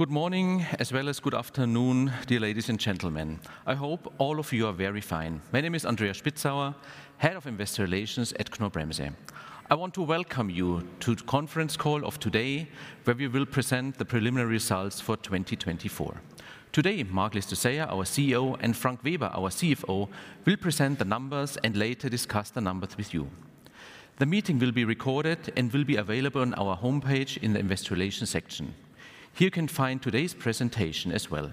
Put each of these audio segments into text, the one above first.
Good morning, as well as good afternoon, dear ladies and gentlemen. I hope all of you are very fine. My name is Andreas Spitzauer, Head of Investor Relations at Knorr-Bremse. I want to welcome you to the conference call of today, where we will present the preliminary results for 2024. Today, Marc Llistosella, our CEO, and Frank Weber, our CFO, will present the numbers and later discuss the numbers with you. The meeting will be recorded and will be available on our homepage in the Investor Relations section. Here you can find today's presentation as well.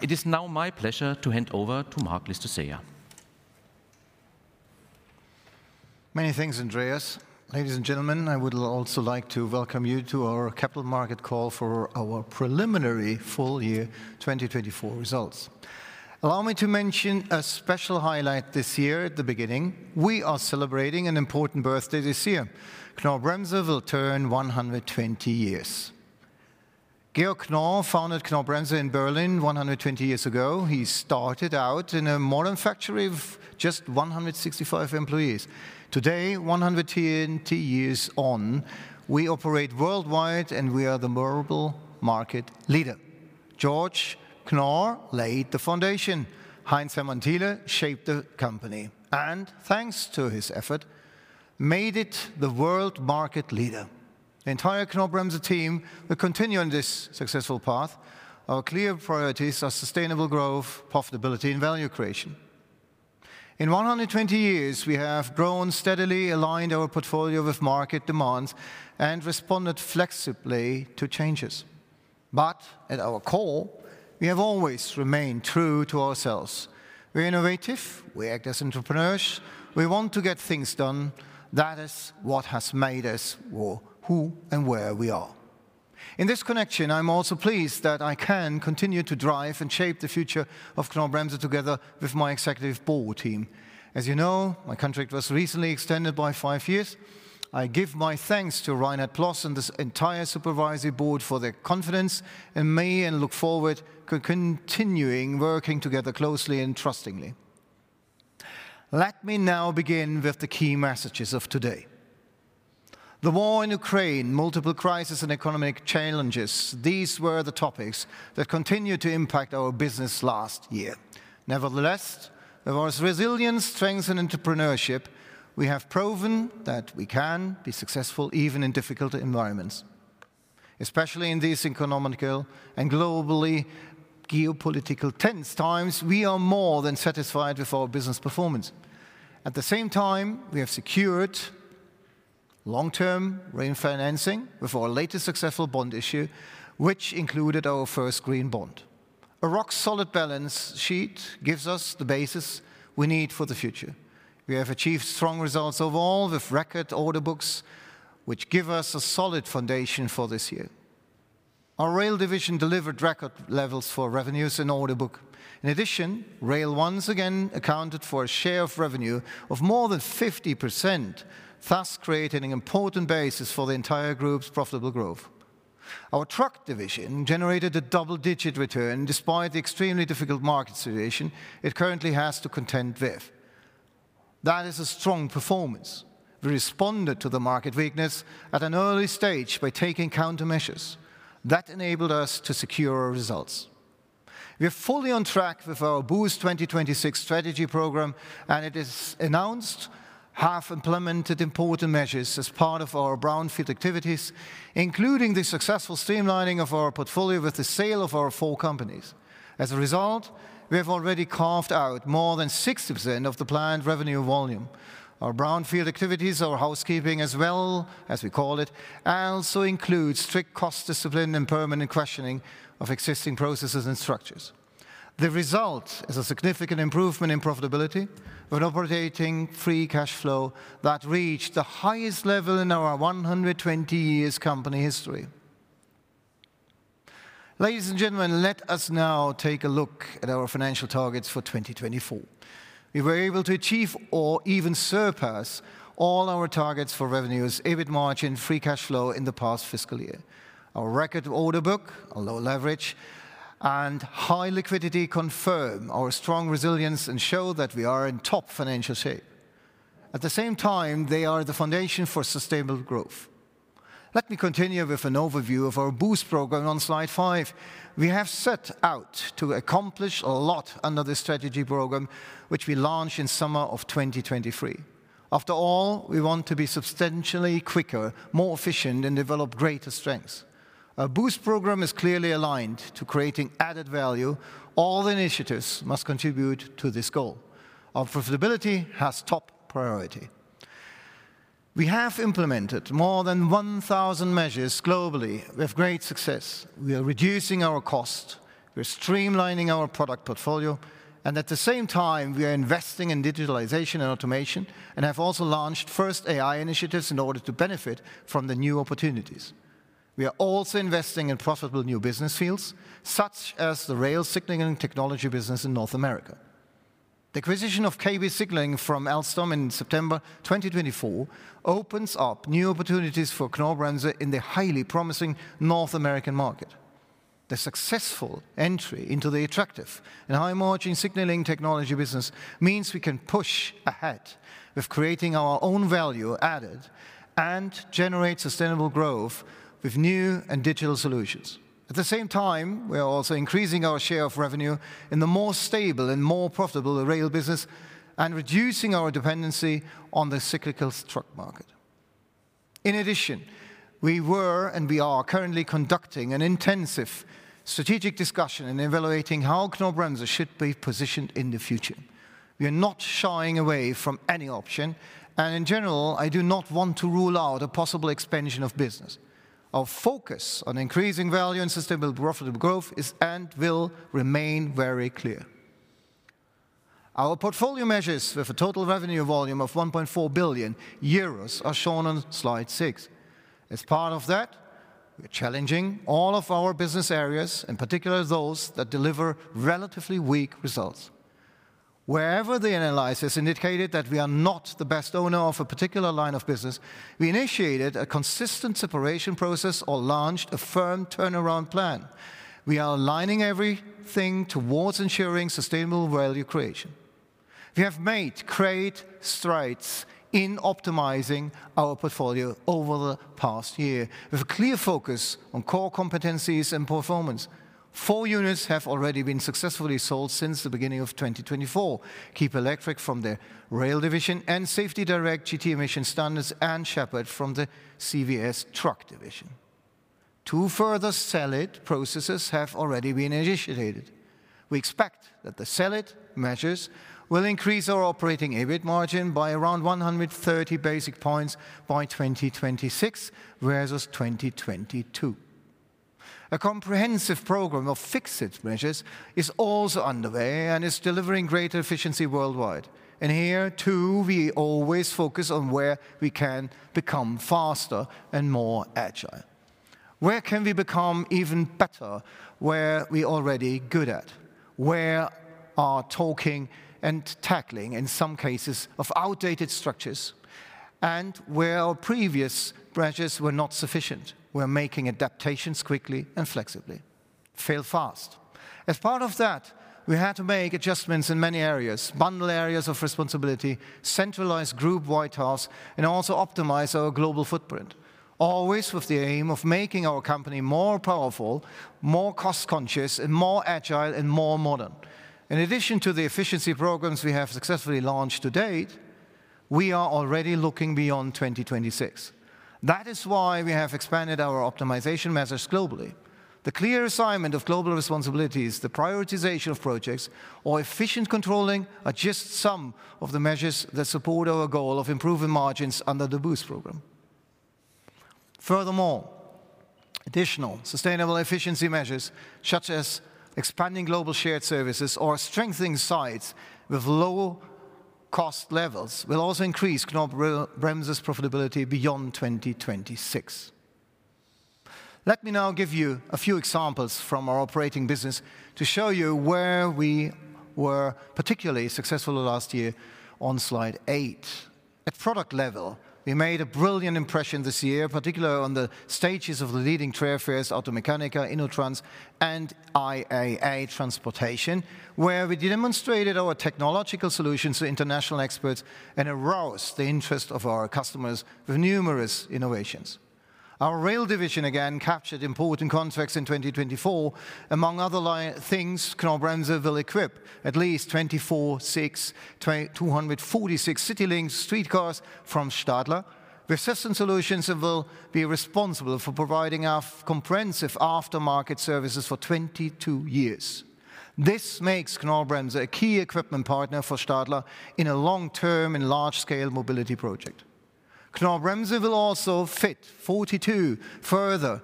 It is now my pleasure to hand over to Marc Llistosella. Many thanks, Andreas. Ladies and gentlemen, I would also like to welcome you to our capital market call for our preliminary full-year 2024 results. Allow me to mention a special highlight this year at the beginning. We are celebrating an important birthday this year. Knorr-Bremse will turn 120 years. Georg Knorr founded Knorr-Bremse in Berlin 120 years ago. He started out in a modern factory of just 165 employees. Today, 120 years on, we operate worldwide, and we are the global market leader. Georg Knorr laid the foundation. Heinz Hermann Thiele shaped the company and, thanks to his effort, made it the world market leader. The entire Knorr-Bremse team will continue on this successful path. Our clear priorities are sustainable growth, profitability, and value creation. In 120 years, we have grown steadily, aligned our portfolio with market demands, and responded flexibly to changes. But at our core, we have always remained true to ourselves. We're innovative. We act as entrepreneurs. We want to get things done. That is what has made us who and where we are. In this connection, I'm also pleased that I can continue to drive and shape the future of Knorr-Bremse together with my executive board team. As you know, my contract was recently extended by five years. I give my thanks to Reinhard Ploß and the entire supervisory board for their confidence in me and look forward to continuing working together closely and trustingly. Let me now begin with the key messages of today. The war in Ukraine, multiple crises, and economic challenges, these were the topics that continued to impact our business last year. Nevertheless, with our resilience, strength, and entrepreneurship, we have proven that we can be successful even in difficult environments, especially in these economic and global geopolitical tense times. We are more than satisfied with our business performance. At the same time, we have secured long-term refinancing with our latest successful bond issue, which included our first green bond. A rock-solid balance sheet gives us the basis we need for the future. We have achieved strong results overall with record order books, which give us a solid foundation for this year. Our rail division delivered record levels for revenues and order book. In addition, rail once again accounted for a share of revenue of more than 50%, thus creating an important basis for the entire group's profitable growth. Our truck division generated a double-digit return despite the extremely difficult market situation it currently has to contend with. That is a strong performance. We responded to the market weakness at an early stage by taking countermeasures that enabled us to secure our results. We are fully on track with our BOOST 2026 strategy program, and it is announced half-implemented important measures as part of our brownfield activities, including the successful streamlining of our portfolio with the sale of our four companies. As a result, we have already carved out more than 60% of the planned revenue volume. Our brownfield activities, our housekeeping, as well as we call it, also include strict cost discipline and permanent questioning of existing processes and structures. The result is a significant improvement in profitability with operating free cash flow that reached the highest level in our 120-year company history. Ladies and gentlemen, let us now take a look at our financial targets for 2024. We were able to achieve or even surpass all our targets for revenues, EBIT margin, free cash flow in the past fiscal year. Our record order book, our low leverage, and high liquidity confirm our strong resilience and show that we are in top financial shape. At the same time, they are the foundation for sustainable growth. Let me continue with an overview of our Boost program. On slide five, we have set out to accomplish a lot under this strategy program, which we launched in the summer of 2023. After all, we want to be substantially quicker, more efficient, and develop greater strengths. Our Boost program is clearly aligned to creating added value. All the initiatives must contribute to this goal. Our profitability has top priority. We have implemented more than 1,000 measures globally with great success. We are reducing our costs. We're streamlining our product portfolio. And at the same time, we are investing in digitalization and automation and have also launched first AI initiatives in order to benefit from the new opportunities. We are also investing in profitable new business fields, such as the rail signaling technology business in North America. The acquisition of KB Signaling from Alstom in September 2024 opens up new opportunities for Knorr-Bremse in the highly promising North American market. The successful entry into the attractive and high-margin signaling technology business means we can push ahead with creating our own value added and generate sustainable growth with new and digital solutions. At the same time, we are also increasing our share of revenue in the more stable and more profitable rail business and reducing our dependency on the cyclical truck market. In addition, we were and we are currently conducting an intensive strategic discussion and evaluating how Knorr-Bremse should be positioned in the future. We are not shying away from any option. And in general, I do not want to rule out a possible expansion of business. Our focus on increasing value and sustainable profitable growth is and will remain very clear. Our portfolio measures with a total revenue volume of 1.4 billion euros are shown on slide six. As part of that, we are challenging all of our business areas, in particular those that deliver relatively weak results. Wherever the analysis indicated that we are not the best owner of a particular line of business, we initiated a consistent separation process or launched a firm turnaround plan. We are aligning everything towards ensuring sustainable value creation. We have made great strides in optimizing our portfolio over the past year with a clear focus on core competencies and performance. Four units have already been successfully sold since the beginning of 2024: Kiepe Electric from the rail division and SafetyDirect, GT Emission Systems, and R.H. Sheppard from the CVS truck division. Two further Sell-It processes have already been initiated. We expect that the Sell-It measures will increase our operating EBIT margin by around 130 basis points by 2026 versus 2022. A comprehensive program of Fix-It measures is also underway and is delivering greater efficiency worldwide. And here, too, we always focus on where we can become faster and more agile. Where can we become even better? Where we are already good at? Where are we talking and tackling, in some cases, outdated structures? And where previous branches were not sufficient, we're making adaptations quickly and flexibly. Fail fast. As part of that, we had to make adjustments in many areas, bundle areas of responsibility, centralize group white space, and also optimize our global footprint, always with the aim of making our company more powerful, more cost-conscious, and more agile and more modern. In addition to the efficiency programs we have successfully launched to date, we are already looking beyond 2026. That is why we have expanded our optimization measures globally. The clear assignment of global responsibilities, the prioritization of projects, or efficient controlling are just some of the measures that support our goal of improving margins under the BOOST program. Furthermore, additional sustainable efficiency measures, such as expanding global shared services or strengthening sites with low-cost levels, will also increase Knorr-Bremse's profitability beyond 2026. Let me now give you a few examples from our operating business to show you where we were particularly successful last year on slide eight. At product level, we made a brilliant impression this year, particularly on the stages of the leading trade fairs, Automechanika, InnoTrans, and IAA Transportation, where we demonstrated our technological solutions to international experts and aroused the interest of our customers with numerous innovations. Our rail division, again, captured important contracts in 2024. Among other things, Knorr-Bremse will equip at least 24,646 Citylink streetcars from Stadler with system solutions and will be responsible for providing our comprehensive aftermarket services for 22 years. This makes Knorr-Bremse a key equipment partner for Stadler in a long-term and large-scale mobility project. Knorr-Bremse will also fit 42 further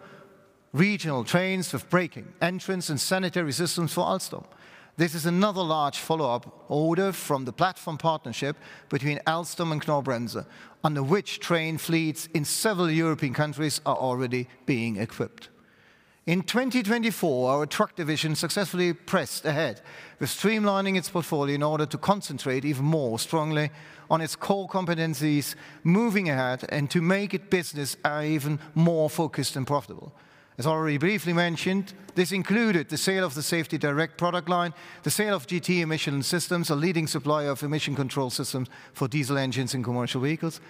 regional trains with braking, entrance, and sanitary systems for Alstom. This is another large follow-up order from the platform partnership between Alstom and Knorr-Bremse, under which train fleets in several European countries are already being equipped. In 2024, our truck division successfully pressed ahead with streamlining its portfolio in order to concentrate even more strongly on its core competencies, moving ahead, and to make its business even more focused and profitable. As already briefly mentioned, this included the sale of the SafetyDirect product line, the sale of GT Emission Systems, a leading supplier of emission control systems for diesel engines and commercial vehicles,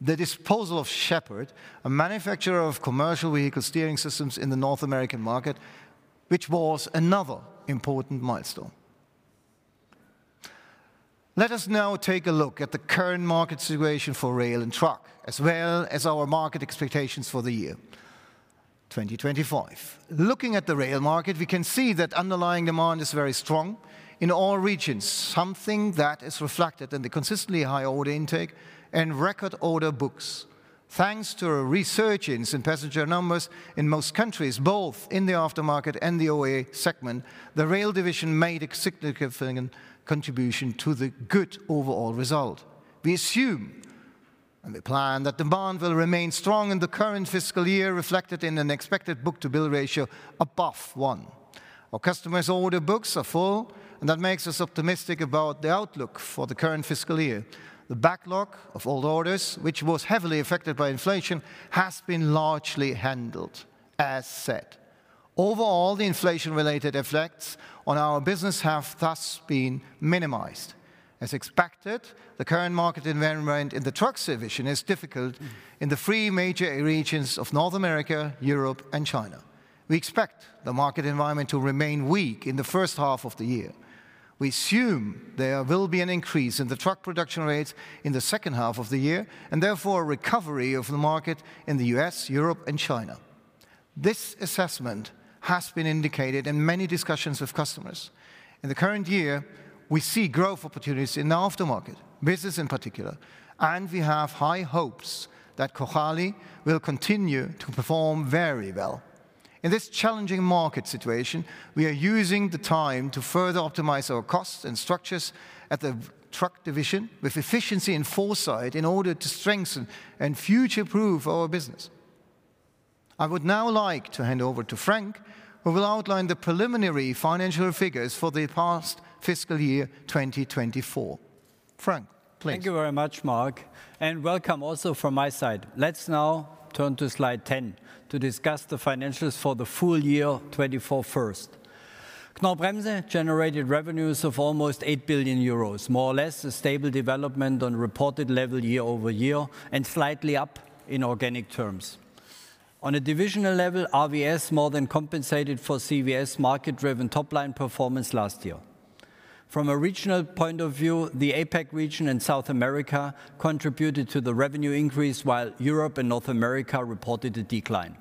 the disposal of R.H. Sheppard, a manufacturer of commercial vehicle steering systems in the North American market, which was another important milestone. Let us now take a look at the current market situation for rail and truck, as well as our market expectations for the year 2025. Looking at the rail market, we can see that underlying demand is very strong in all regions, something that is reflected in the consistently high order intake and record order books. Thanks to rising passenger numbers in most countries, both in the aftermarket and the OEM segment, the rail division made a significant contribution to the good overall result. We assume and we plan that demand will remain strong in the current fiscal year, reflected in an expected book-to-bill ratio above one. Our customers' order books are full, and that makes us optimistic about the outlook for the current fiscal year. The backlog of old orders, which was heavily affected by inflation, has been largely handled, as said. Overall, the inflation-related effects on our business have thus been minimized. As expected, the current market environment in the truck division is difficult in the three major regions of North America, Europe, and China. We expect the market environment to remain weak in the first half of the year. We assume there will be an increase in the truck production rates in the second half of the year and therefore a recovery of the market in the U.S., Europe, and China. This assessment has been indicated in many discussions with customers. In the current year, we see growth opportunities in the aftermarket business in particular, and we have high hopes that Kocaeli will continue to perform very well. In this challenging market situation, we are using the time to further optimize our costs and structures at the truck division with efficiency and foresight in order to strengthen and future-proof our business. I would now like to hand over to Frank, who will outline the preliminary financial figures for the past fiscal year 2024. Frank, please. Thank you very much, Marc, and welcome also from my side. Let's now turn to slide 10 to discuss the financials for the full year 2024 first. Knorr-Bremse generated revenues of almost 8 billion euros, more or less a stable development on reported level year over year and slightly up in organic terms. On a divisional level, RVS more than compensated for CVS market-driven top-line performance last year. From a regional point of view, the APAC region and South America contributed to the revenue increase, while Europe and North America reported a decline.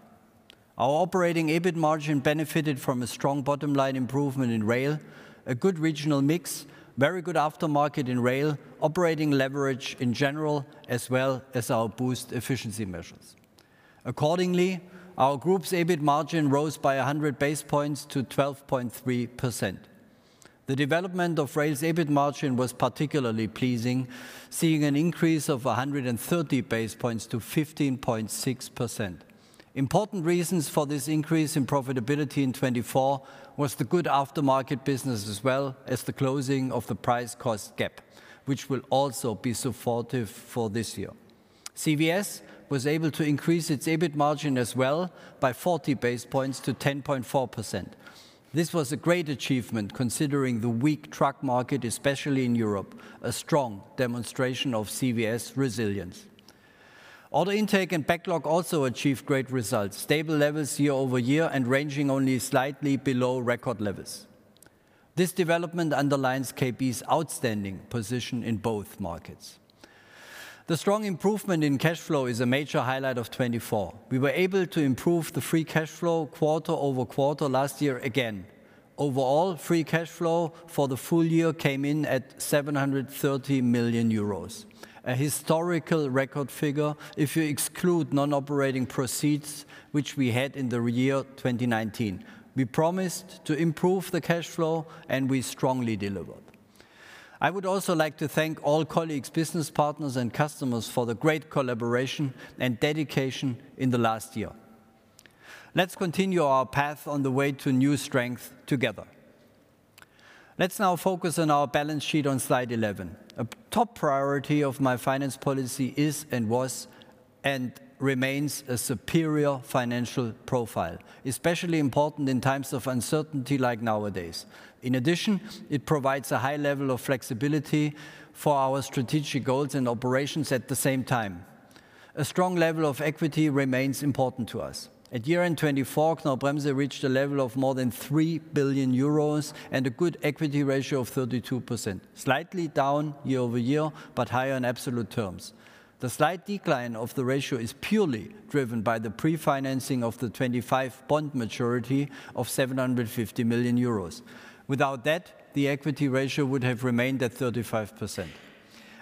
Our operating EBIT margin benefited from a strong bottom-line improvement in rail, a good regional mix, very good aftermarket in rail, operating leverage in general, as well as our Boost efficiency measures. Accordingly, our group's EBIT margin rose by 100 basis points to 12.3%. The development of rail's EBIT margin was particularly pleasing, seeing an increase of 130 basis points to 15.6%. Important reasons for this increase in profitability in 2024 was the good aftermarket business, as well as the closing of the price-cost gap, which will also be supportive for this year. CVS was able to increase its EBIT margin as well by 40 basis points to 10.4%. This was a great achievement, considering the weak truck market, especially in Europe, a strong demonstration of CVS resilience. Order intake and backlog also achieved great results, stable levels year over year and ranging only slightly below record levels. This development underlines KB's outstanding position in both markets. The strong improvement in cash flow is a major highlight of 2024. We were able to improve the free cash flow quarter over quarter last year again. Overall, free cash flow for the full year came in at €730 million, a historical record figure if you exclude non-operating proceeds, which we had in the year 2019. We promised to improve the cash flow, and we strongly delivered. I would also like to thank all colleagues, business partners, and customers for the great collaboration and dedication in the last year. Let's continue our path on the way to new strength together. Let's now focus on our balance sheet on slide 11. A top priority of my finance policy is and was and remains a superior financial profile, especially important in times of uncertainty like nowadays. In addition, it provides a high level of flexibility for our strategic goals and operations at the same time. A strong level of equity remains important to us. At year-end 2024, Knorr-Bremse reached a level of more than 3 billion euros and a good equity ratio of 32%, slightly down year over year, but higher in absolute terms. The slight decline of the ratio is purely driven by the pre-financing of the 2025 bond maturity of 750 million euros. Without that, the equity ratio would have remained at 35%.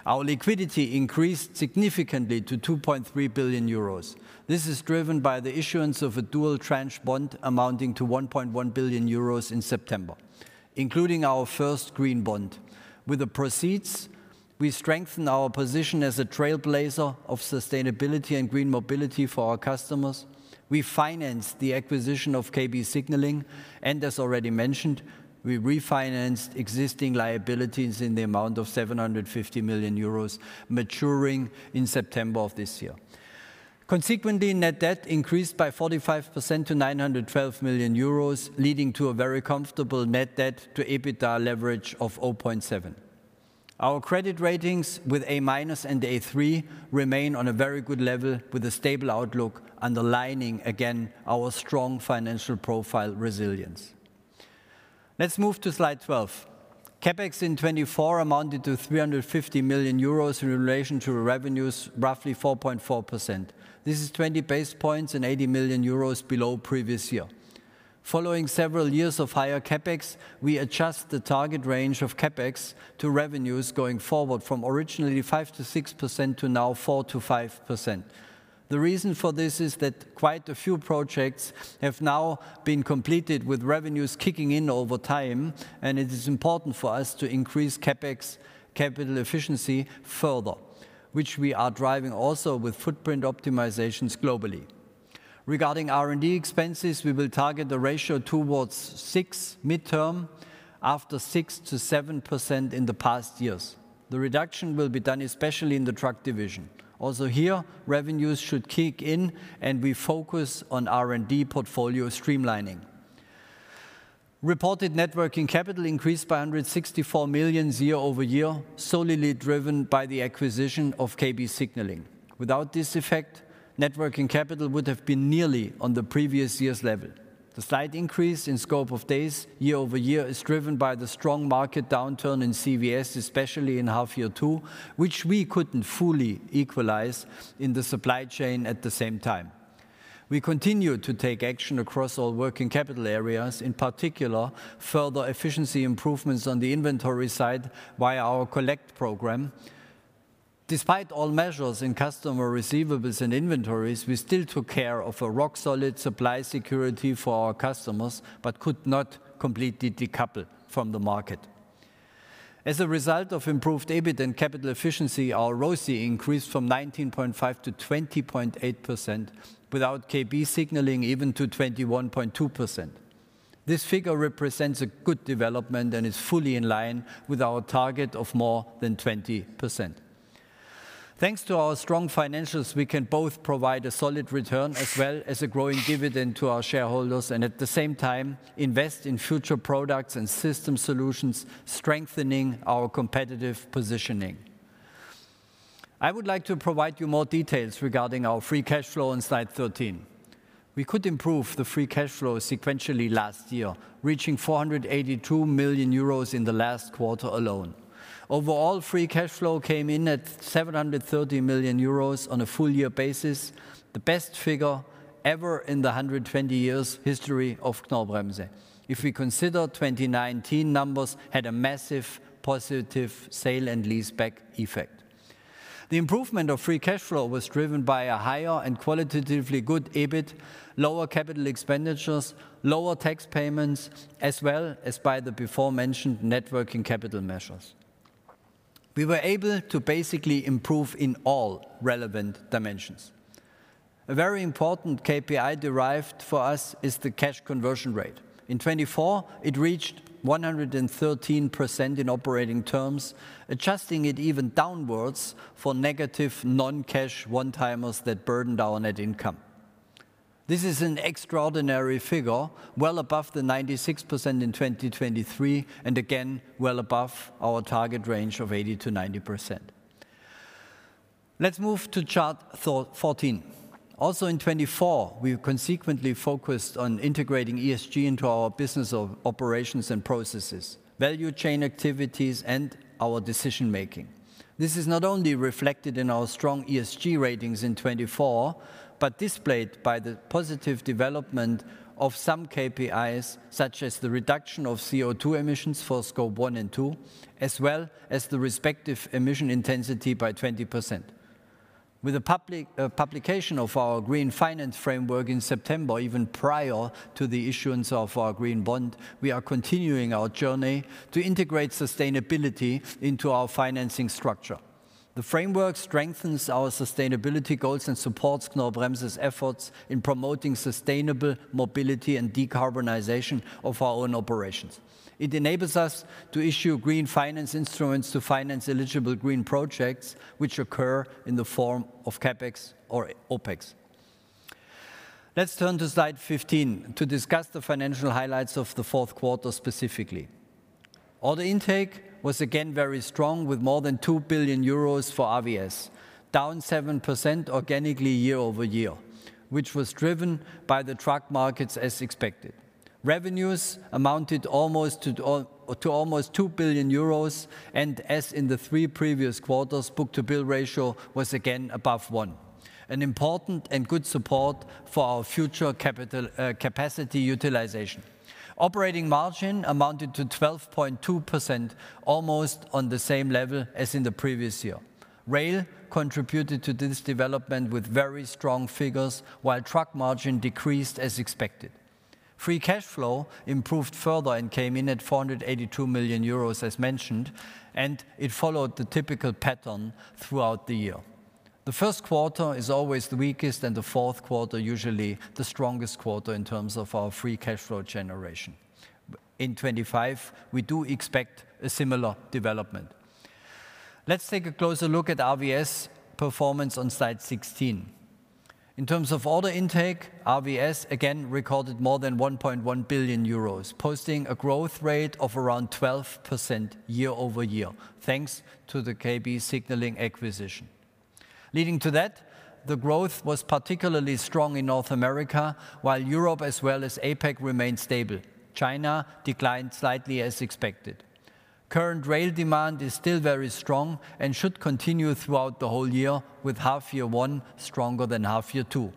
Our liquidity increased significantly to 2.3 billion euros. This is driven by the issuance of a dual-tranche bond amounting to 1.1 billion euros in September, including our first green bond. With the proceeds, we strengthen our position as a trailblazer of sustainability and green mobility for our customers. We financed the acquisition of KB Signaling, and as already mentioned, we refinanced existing liabilities in the amount of 750 million euros, maturing in September of this year. Consequently, net debt increased by 45% to 912 million euros, leading to a very comfortable net debt-to-EBITDA leverage of 0.7%. Our credit ratings with A- and A-3 remain on a very good level, with a stable outlook underlining again our strong financial profile resilience. Let's move to slide 12. CapEx in 2024 amounted to 350 million euros in relation to revenues, roughly 4.4%. This is 20 basis points and 80 million euros below previous year. Following several years of higher CapEx, we adjust the target range of CapEx to revenues going forward from originally 5%-6% to now 4%-5%. The reason for this is that quite a few projects have now been completed with revenues kicking in over time, and it is important for us to increase CapEx capital efficiency further, which we are driving also with footprint optimizations globally. Regarding R&D expenses, we will target a ratio towards 6% mid-term after 6%-7% in the past years. The reduction will be done especially in the truck division. Also here, revenues should kick in, and we focus on R&D portfolio streamlining. Reported net working capital increased by 164 million year over year, solely driven by the acquisition of KB Signaling. Without this effect, net working capital would have been nearly on the previous year's level. The slight increase in stock days year over year is driven by the strong market downturn in CVS, especially in half year two, which we couldn't fully equalize in the supply chain at the same time. We continue to take action across all working capital areas, in particular further efficiency improvements on the inventory side via our Collect program. Despite all measures in customer receivables and inventories, we still took care of a rock-solid supply security for our customers but could not completely decouple from the market. As a result of improved EBIT and capital efficiency, our ROCE increased from 19.5% to 20.8%, without KB Signaling even to 21.2%. This figure represents a good development and is fully in line with our target of more than 20%. Thanks to our strong financials, we can both provide a solid return as well as a growing dividend to our shareholders and at the same time invest in future products and system solutions, strengthening our competitive positioning. I would like to provide you more details regarding our free cash flow on slide 13. We could improve the free cash flow sequentially last year, reaching 482 million euros in the last quarter alone. Overall, free cash flow came in at 730 million euros on a full year basis, the best figure ever in the 120-year history of Knorr-Bremse. If we consider 2019 numbers, we had a massive positive sale and lease-back effect. The improvement of free cash flow was driven by a higher and qualitatively good EBIT, lower capital expenditures, lower tax payments, as well as by the before-mentioned working capital measures. We were able to basically improve in all relevant dimensions. A very important KPI derived for us is the cash conversion rate. In 2024, it reached 113% in operating terms, adjusting it even downwards for negative non-cash one-timers that burdened our net income. This is an extraordinary figure, well above the 96% in 2023 and again well above our target range of 80%-90%. Let's move to chart 14. Also in 2024, we consequently focused on integrating ESG into our business operations and processes, value chain activities, and our decision-making. This is not only reflected in our strong ESG ratings in 2024, but displayed by the positive development of some KPIs, such as the reduction of CO2 emissions for Scope 1 and 2, as well as the respective emission intensity by 20%. With the publication of our green finance framework in September, even prior to the issuance of our green bond, we are continuing our journey to integrate sustainability into our financing structure. The framework strengthens our sustainability goals and supports Knorr-Bremse's efforts in promoting sustainable mobility and decarbonization of our own operations. It enables us to issue green finance instruments to finance eligible green projects, which occur in the form of CapEx or OpEx. Let's turn to slide 15 to discuss the financial highlights of the fourth quarter specifically. Order intake was again very strong, with more than 2 billion euros for RVS, down 7% organically year over year, which was driven by the truck markets, as expected. Revenues amounted to almost 2 billion euros, and as in the three previous quarters, book-to-bill ratio was again above one, an important and good support for our future capital capacity utilization. Operating margin amounted to 12.2%, almost on the same level as in the previous year. Rail contributed to this development with very strong figures, while truck margin decreased, as expected. Free cash flow improved further and came in at 482 million euros, as mentioned, and it followed the typical pattern throughout the year. The first quarter is always the weakest and the fourth quarter usually the strongest quarter in terms of our free cash flow generation. In 2025, we do expect a similar development. Let's take a closer look at RVS performance on slide 16. In terms of order intake, RVS again recorded more than 1.1 billion euros, posting a growth rate of around 12% year over year, thanks to the KB Signaling acquisition. Leading to that, the growth was particularly strong in North America, while Europe as well as APAC remained stable. China declined slightly, as expected. Current rail demand is still very strong and should continue throughout the whole year, with half year one stronger than half year two.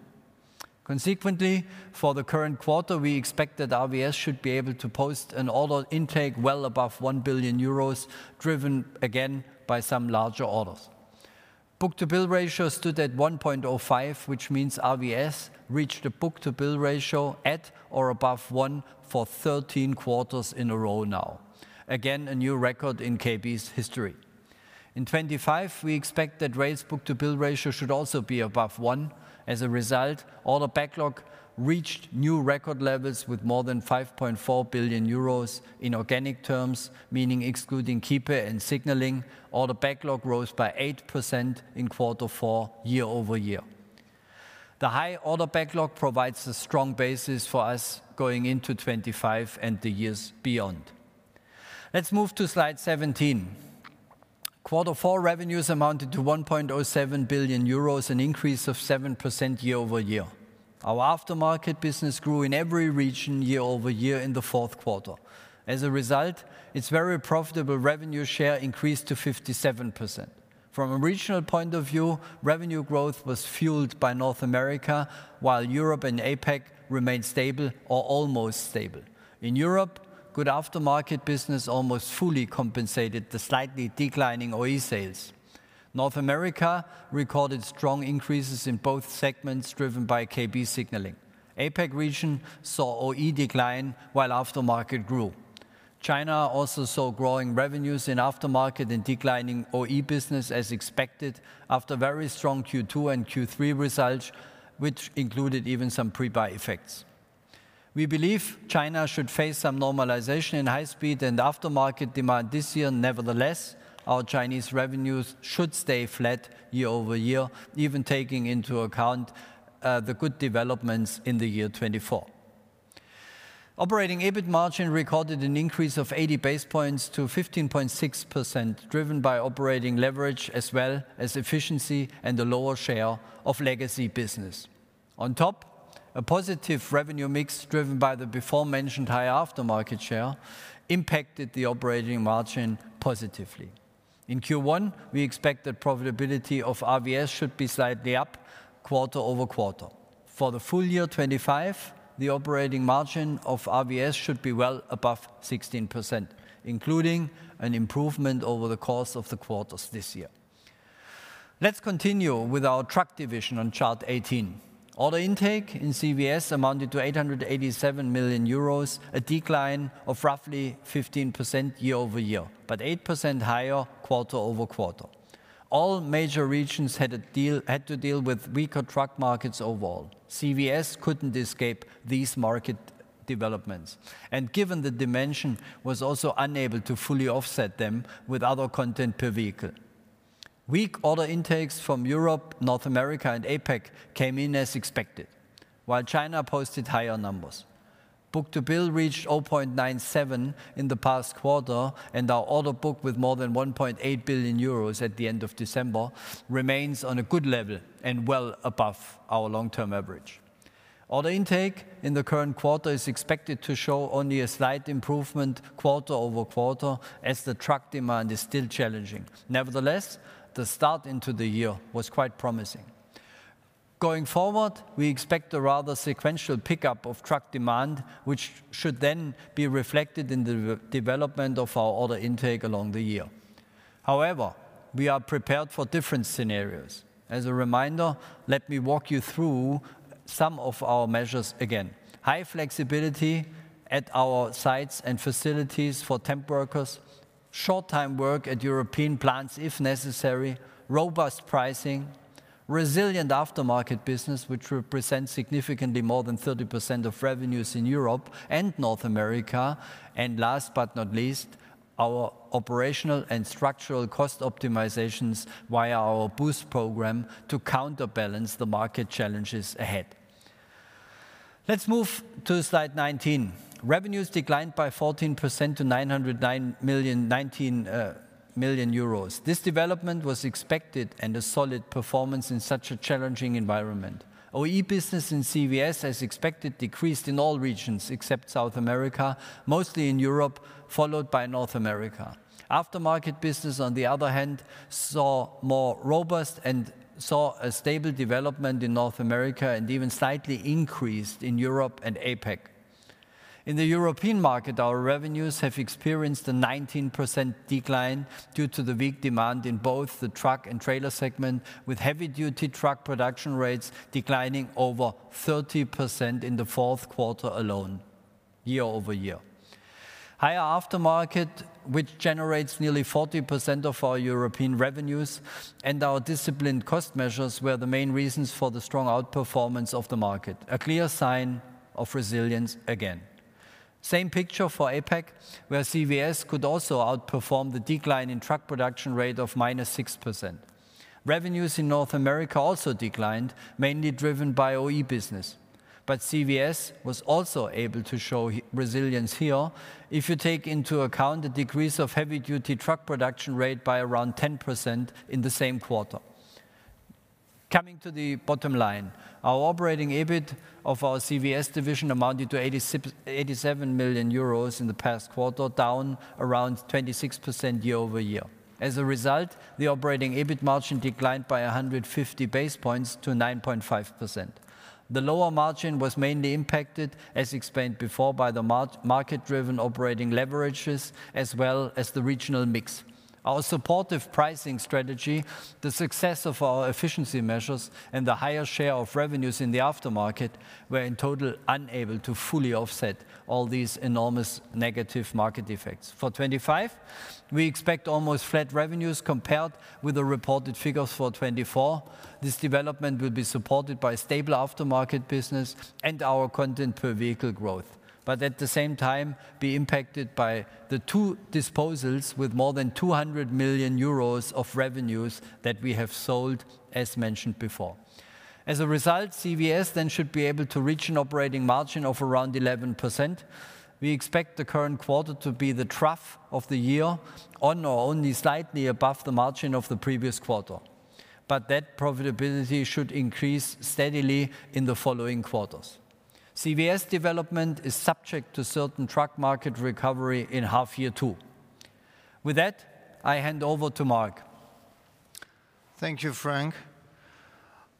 Consequently, for the current quarter, we expect that RVS should be able to post an order intake well above 1 billion euros, driven again by some larger orders. Book-to-bill ratio stood at 1.05, which means RVS reached a book-to-bill ratio at or above one for 13 quarters in a row now. Again, a new record in KB's history. In 2025, we expect that rail's book-to-bill ratio should also be above one. As a result, order backlog reached new record levels with more than € 5.4 billion in organic terms, meaning excluding Kiepe and Signaling, order backlog rose by 8% in quarter four year over year. The high order backlog provides a strong basis for us going into 2025 and the years beyond. Let's move to slide 17. Quarter four revenues amounted to € 1.07 billion, an increase of 7% year over year. Our aftermarket business grew in every region year over year in the fourth quarter. As a result, its very profitable revenue share increased to 57%. From a regional point of view, revenue growth was fueled by North America, while Europe and APAC remained stable or almost stable. In Europe, good aftermarket business almost fully compensated the slightly declining OE sales. North America recorded strong increases in both segments driven by KB Signaling. APAC region saw OE decline while aftermarket grew. China also saw growing revenues in aftermarket and declining OE business, as expected after very strong Q2 and Q3 results, which included even some pre-buy effects. We believe China should face some normalization in high-speed and aftermarket demand this year. Nevertheless, our Chinese revenues should stay flat year over year, even taking into account the good developments in the year 2024. Operating EBIT margin recorded an increase of 80 basis points to 15.6%, driven by operating leverage as well as efficiency and a lower share of legacy business. On top, a positive revenue mix driven by the before-mentioned high aftermarket share impacted the operating margin positively. In Q1, we expect that profitability of RVS should be slightly up quarter over quarter. For the full year 2025, the operating margin of RVS should be well above 16%, including an improvement over the course of the quarters this year. Let's continue with our truck division on chart 18. Order intake in CVS amounted to 887 million euros, a decline of roughly 15% year over year, but 8% higher quarter over quarter. All major regions had to deal with weaker truck markets overall. CVS couldn't escape these market developments, and given the dimension, was also unable to fully offset them with other content per vehicle. Weak order intakes from Europe, North America, and APAC came in as expected, while China posted higher numbers. Book-to-bill reached 0.97 in the past quarter, and our order book with more than 1.8 billion euros at the end of December remains on a good level and well above our long-term average. Order intake in the current quarter is expected to show only a slight improvement quarter over quarter, as the truck demand is still challenging. Nevertheless, the start into the year was quite promising. Going forward, we expect a rather sequential pickup of truck demand, which should then be reflected in the development of our order intake along the year. However, we are prepared for different scenarios. As a reminder, let me walk you through some of our measures again. High flexibility at our sites and facilities for temp workers, short-time work at European plants if necessary, robust pricing, resilient aftermarket business, which represents significantly more than 30% of revenues in Europe and North America, and last but not least, our operational and structural cost optimizations via our boost program to counterbalance the market challenges ahead. Let's move to slide 19. Revenues declined by 14% to 909,019 euros. This development was expected and a solid performance in such a challenging environment. OE business in CVS, as expected, decreased in all regions except South America, mostly in Europe, followed by North America. Aftermarket business, on the other hand, saw more robust and a stable development in North America and even slightly increased in Europe and APAC. In the European market, our revenues have experienced a 19% decline due to the weak demand in both the truck and trailer segment, with heavy-duty truck production rates declining over 30% in the fourth quarter alone, year over year. Higher aftermarket, which generates nearly 40% of our European revenues, and our disciplined cost measures were the main reasons for the strong outperformance of the market, a clear sign of resilience again. Same picture for APAC, where CVS could also outperform the decline in truck production rate of minus 6%. Revenues in North America also declined, mainly driven by OE business, but CVS was also able to show resilience here if you take into account the decrease of heavy-duty truck production rate by around 10% in the same quarter. Coming to the bottom line, our operating EBIT of our CVS division amounted to 87 million euros in the past quarter, down around 26% year over year. As a result, the operating EBIT margin declined by 150 basis points to 9.5%. The lower margin was mainly impacted, as explained before, by the market-driven operating leverages as well as the regional mix. Our supportive pricing strategy, the success of our efficiency measures, and the higher share of revenues in the aftermarket were in total unable to fully offset all these enormous negative market effects. For 2025, we expect almost flat revenues compared with the reported figures for 2024. This development will be supported by stable aftermarket business and our content per vehicle growth, but at the same time, be impacted by the two disposals with more than 200 million euros of revenues that we have sold, as mentioned before. As a result, CVS then should be able to reach an operating margin of around 11%. We expect the current quarter to be the trough of the year, on or only slightly above the margin of the previous quarter, but that profitability should increase steadily in the following quarters. CVS development is subject to certain truck market recovery in half year two. With that, I hand over to Marc. Thank you, Frank.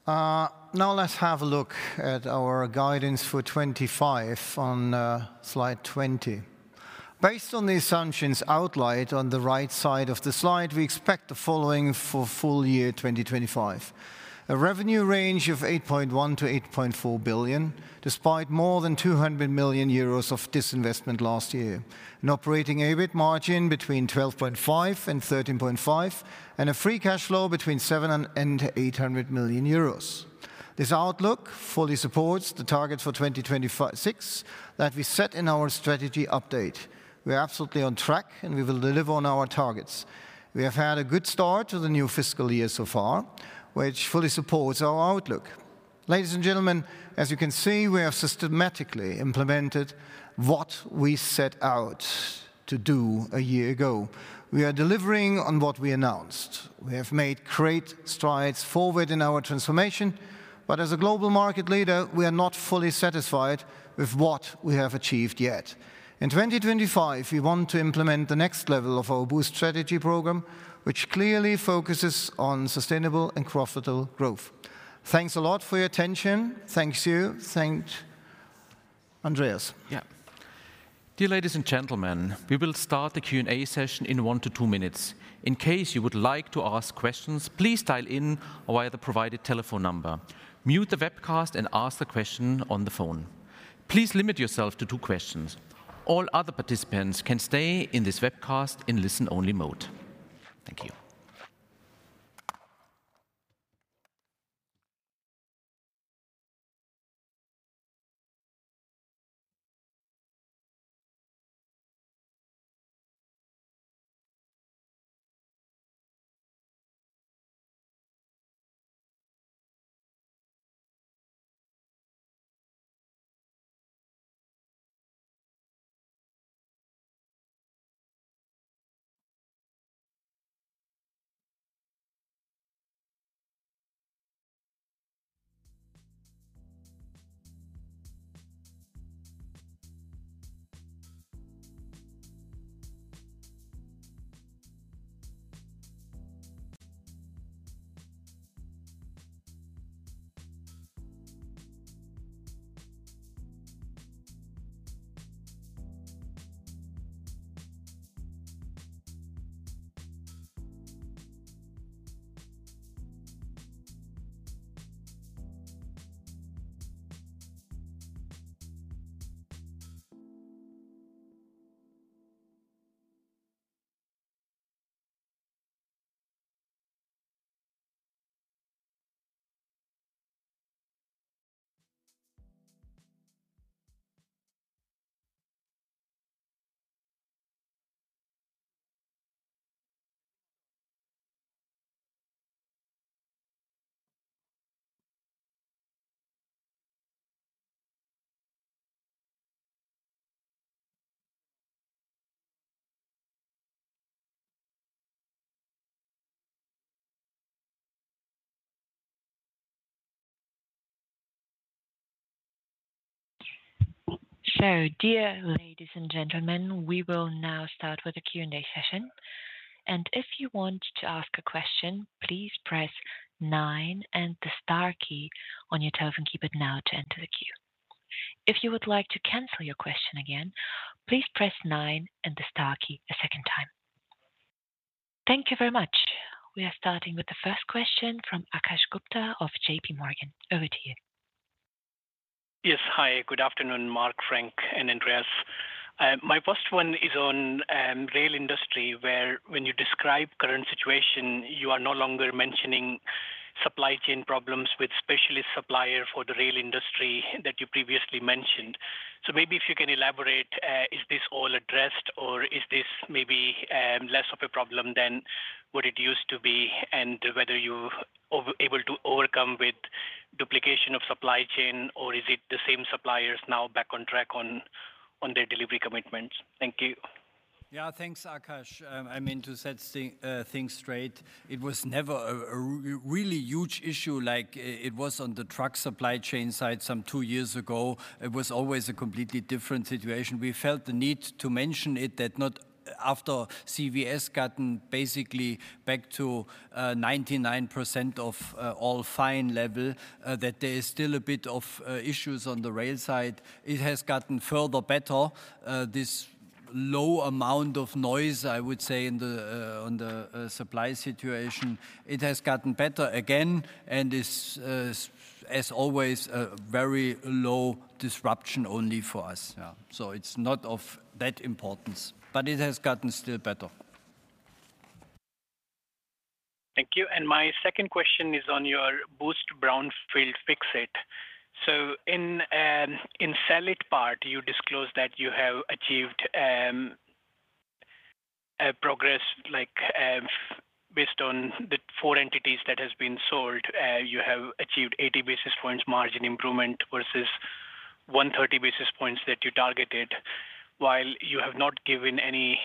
Now let's have a look at our guidance for 2025 on slide 20. Based on the assumptions outlined on the right side of the slide, we expect the following for full year 2025: a revenue range of 8.1 to 8.4 billion, despite more than 200 million euros of disinvestment last year, an operating EBIT margin between 12.5% and 13.5%, and a free cash flow between 700 and 800 million euros. This outlook fully supports the target for 2026 that we set in our strategy update. We are absolutely on track, and we will deliver on our targets. We have had a good start to the new fiscal year so far, which fully supports our outlook. Ladies and gentlemen, as you can see, we have systematically implemented what we set out to do a year ago. We are delivering on what we announced. We have made great strides forward in our transformation, but as a global market leader, we are not fully satisfied with what we have achieved yet. In 2025, we want to implement the next level of our boost strategy program, which clearly focuses on sustainable and profitable growth. Thanks a lot for your attention. Thank you. Thank Andreas. Yeah. Dear ladies and gentlemen, we will start the Q&A session in one to two minutes. In case you would like to ask questions, please dial in via the provided telephone number, mute the webcast, and ask the question on the phone. Please limit yourself to two questions. All other participants can stay in this webcast in listen-only mode. Thank you. So, dear ladies and gentlemen, we will now start with a Q&A session. If you want to ask a question, please press nine and the star key on your telephone keypad now to enter the queue. If you would like to cancel your question again, please press nine and the star key a second time. Thank you very much. We are starting with the first question from Akash Gupta of J.P. Morgan. Over to you. Yes. Hi. Good afternoon, Marc, Frank, and Andreas. My first one is on rail industry, where when you describe the current situation, you are no longer mentioning supply chain problems with specialist suppliers for the rail industry that you previously mentioned. So maybe if you can elaborate, is this all addressed, or is this maybe less of a problem than what it used to be, and whether you are able to overcome with duplication of supply chain, or is it the same suppliers now back on track on their delivery commitments? Thank you. Yeah. Thanks, Akash. I mean, to set things straight, it was never a really huge issue like it was on the truck supply chain side some two years ago. It was always a completely different situation. We felt the need to mention it that not after CVS gotten basically back to 99% of all fine level, that there is still a bit of issues on the rail side. It has gotten further better. This low amount of noise, I would say, in the supply situation, it has gotten better again and is, as always, a very low disruption only for us. Yeah. So it's not of that importance, but it has gotten still better. Thank you. And my second question is on your BOOST program Fix-It. So in the Sell-It part, you disclosed that you have achieved progress based on the four entities that have been sold. You have achieved 80 basis points margin improvement versus 130 basis points that you targeted, while you have not given any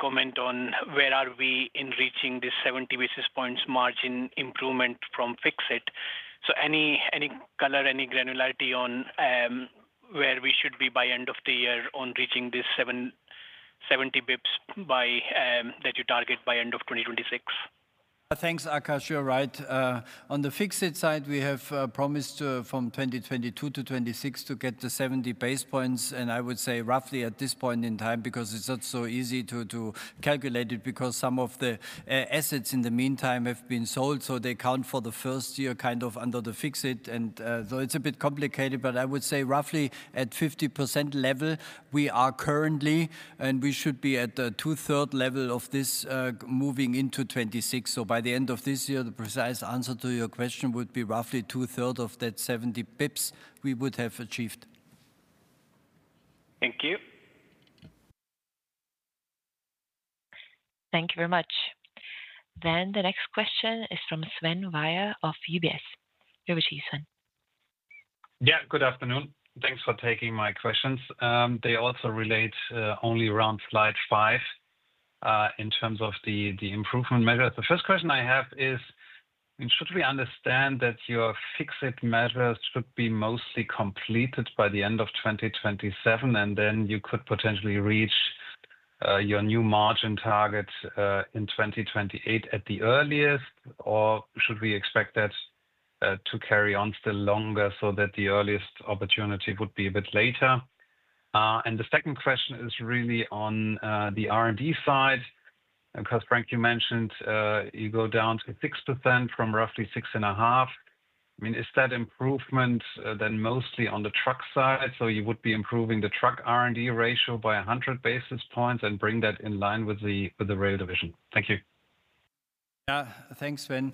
comment on where are we in reaching this 70 basis points margin improvement from Fix-It. So any color, any granularity on where we should be by end of the year on reaching this 70 basis points that you target by end of 2026? Thanks, Akash. You're right. On the Fix-It side, we have promised from 2022 to 2026 to get the 70 basis points, and I would say roughly at this point in time, because it's not so easy to calculate it, because some of the assets in the meantime have been sold, so they count for the first year kind of under the Fix-It. And so it's a bit complicated, but I would say roughly at 50% level we are currently, and we should be at the two-thirds level of this moving into 2026. So by the end of this year, the precise answer to your question would be roughly two-thirds of that 70 basis points we would have achieved. Thank you. Thank you very much. Then the next question is from Sven Weier of UBS. Over to you, Sven. Yeah. Good afternoon. Thanks for taking my questions. They also relate only around slide five in terms of the improvement measures. The first question I have is, should we understand that your Fix-It measures should be mostly completed by the end of 2027, and then you could potentially reach your new margin target in 2028 at the earliest, or should we expect that to carry on still longer so that the earliest opportunity would be a bit later? And the second question is really on the R&D side, because, Frank, you mentioned you go down to 6% from roughly 6.5%. I mean, is that improvement then mostly on the truck side? So you would be improving the truck R&D ratio by 100 basis points and bring that in line with the rail division? Thank you. Yeah. Thanks, Sven.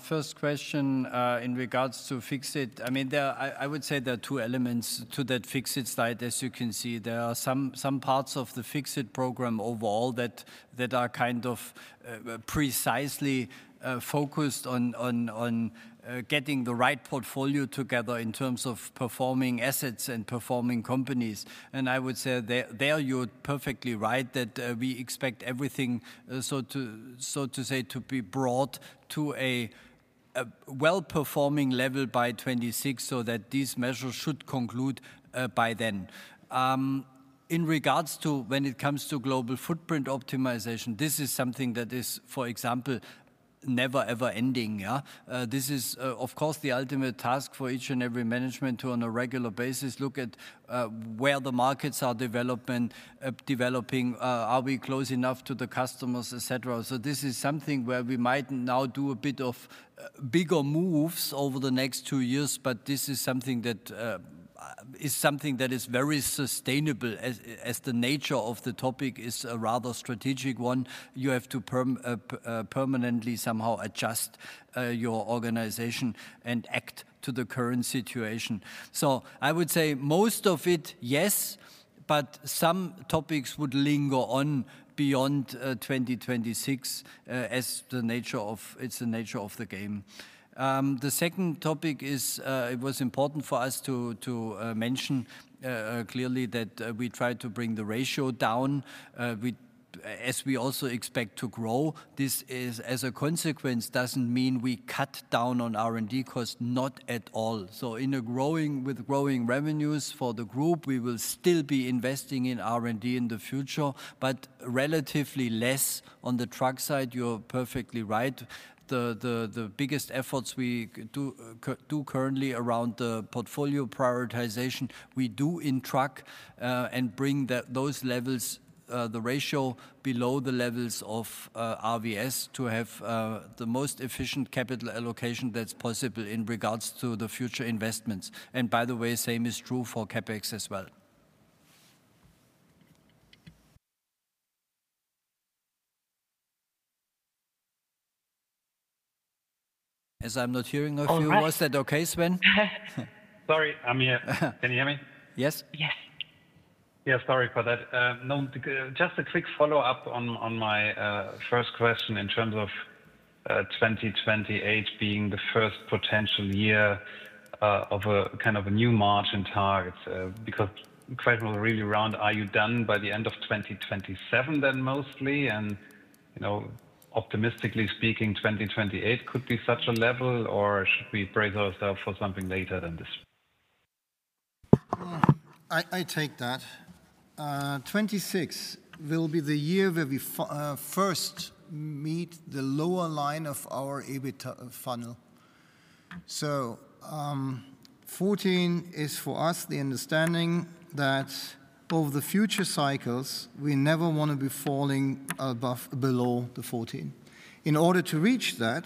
First question in regards to Fix-It. I mean, I would say there are two elements to that Fix-It slide. As you can see, there are some parts of the Fix-It program overall that are kind of precisely focused on getting the right portfolio together in terms of performing assets and performing companies. And I would say there you're perfectly right that we expect everything, so to say, to be brought to a well-performing level by 2026 so that these measures should conclude by then. In regards to when it comes to global footprint optimization, this is something that is, for example, never ever-ending. This is, of course, the ultimate task for each and every management to, on a regular basis, look at where the markets are developing, are we close enough to the customers, etc. So this is something where we might now do a bit of bigger moves over the next two years, but this is something that is very sustainable as the nature of the topic is a rather strategic one. You have to permanently somehow adjust your organization and act to the current situation. So I would say most of it, yes, but some topics would linger on beyond 2026 as the nature of it is the nature of the game. The second topic is it was important for us to mention clearly that we tried to bring the ratio down as we also expect to grow. This, as a consequence, doesn't mean we cut down on R&D costs, not at all. So with growing revenues for the group, we will still be investing in R&D in the future, but relatively less on the truck side. You're perfectly right. The biggest efforts we do currently around the portfolio prioritization, we do in truck and bring those levels, the ratio below the levels of RVS to have the most efficient capital allocation that's possible in regards to the future investments. By the way, same is true for CapEx as well. As I'm not hearing a few, was that okay, Sven? Sorry, I'm here. Can you hear me? Yes. Yes. Yeah. Sorry for that. Just a quick follow-up on my first question in terms of 2028 being the first potential year of a kind of new margin target, because the question was really around, are you done by the end of 2027 then mostly? And optimistically speaking, 2028 could be such a level, or should we brace ourselves for something later than this? I take that. 2026 will be the year where we first meet the lower line of our EBIT funnel. So 14 is for us the understanding that over the future cycles, we never want to be falling below the 14. In order to reach that,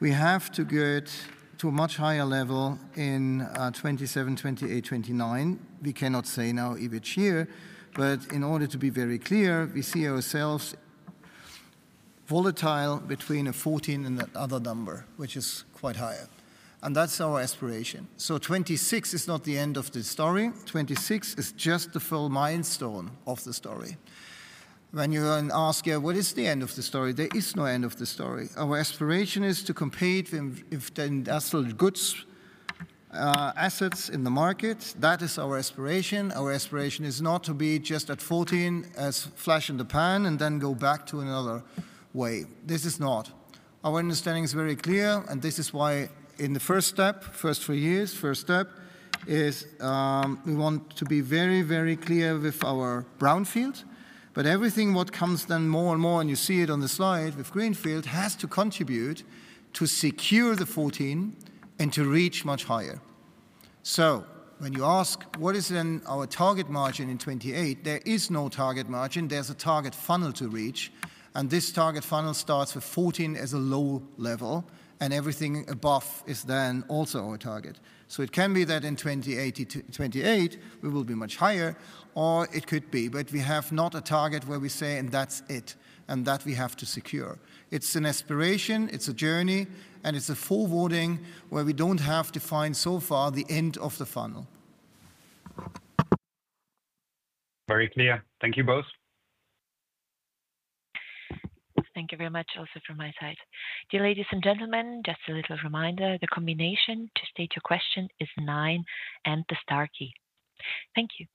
we have to get to a much higher level in 2027, 2028, 2029. We cannot say now each year, but in order to be very clear, we see ourselves volatile between a 14 and that other number, which is quite high. And that's our aspiration. So 2026 is not the end of the story. 2026 is just the full milestone of the story. When you ask, yeah, what is the end of the story? There is no end of the story. Our aspiration is to compete with the industrial goods assets in the market. That is our aspiration. Our aspiration is not to be just at 14% as a flash in the pan and then go back to another way. This is not. Our understanding is very clear, and this is why in the first step, first three years, first step, we want to be very, very clear with our brownfield. But everything what comes then more and more, and you see it on the slide with greenfield, has to contribute to secure the 14% and to reach much higher. So when you ask, what is then our target margin in 2028? There is no target margin. There's a target funnel to reach, and this target funnel starts with 14% as a low level, and everything above is then also our target. So it can be that in 2028, we will be much higher, or it could be, but we have not a target where we say, and that's it, and that we have to secure. It's an aspiration. It's a journey, and it's a forwarding where we don't have to find so far the end of the funnel. Very clear. Thank you both. Thank you very much also from my side. Dear ladies and gentlemen, just a little reminder, the combination to state your question is nine and the star key. Thank you.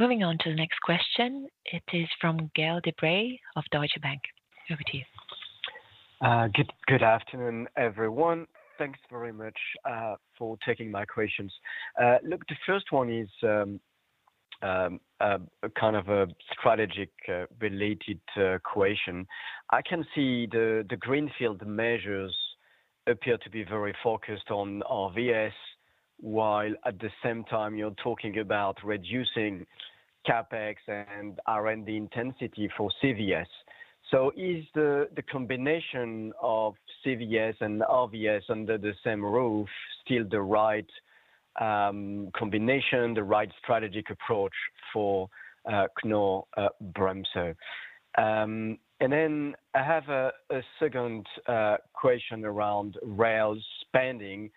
Moving on to the next question. It is from Gael de Bray of Deutsche Bank. Over to you. Good afternoon, everyone. Thanks very much for taking my questions. Look, the first one is kind of a strategic-related question. I can see the greenfield measures appear to be very focused on RVS, while at the same time you're talking about reducing CapEx and R&D intensity for CVS. So is the combination of CVS and RVS under the same roof still the right combination, the right strategic approach for Knorr-Bremse? And then I have a second question around rail spending.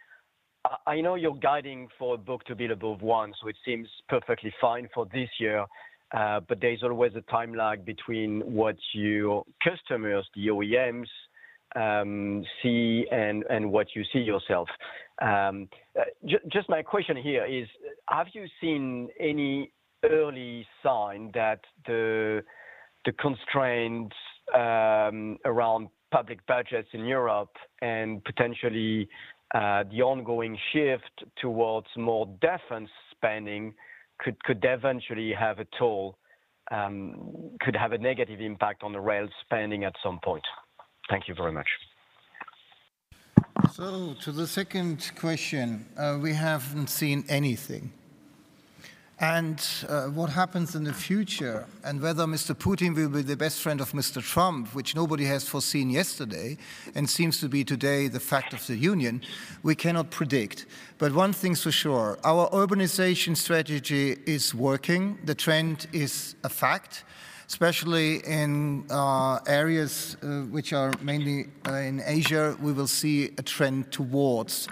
I know you're guiding for a book to be above one, so it seems perfectly fine for this year, but there's always a time lag between what your customers, the OEMs, see and what you see yourself. Just my question here is, have you seen any early sign that the constraints around public budgets in Europe and potentially the ongoing shift towards more defense spending could eventually have a toll, could have a negative impact on the rail spending at some point? Thank you very much. So, to the second question, we haven't seen anything. And what happens in the future and whether Mr. Putin will be the best friend of Mr. Trump, which nobody has foreseen yesterday and seems to be today the state of the union, we cannot predict. But one thing's for sure. Our urbanization strategy is working. The trend is a fact, especially in areas which are mainly in Asia. We will see a trend towards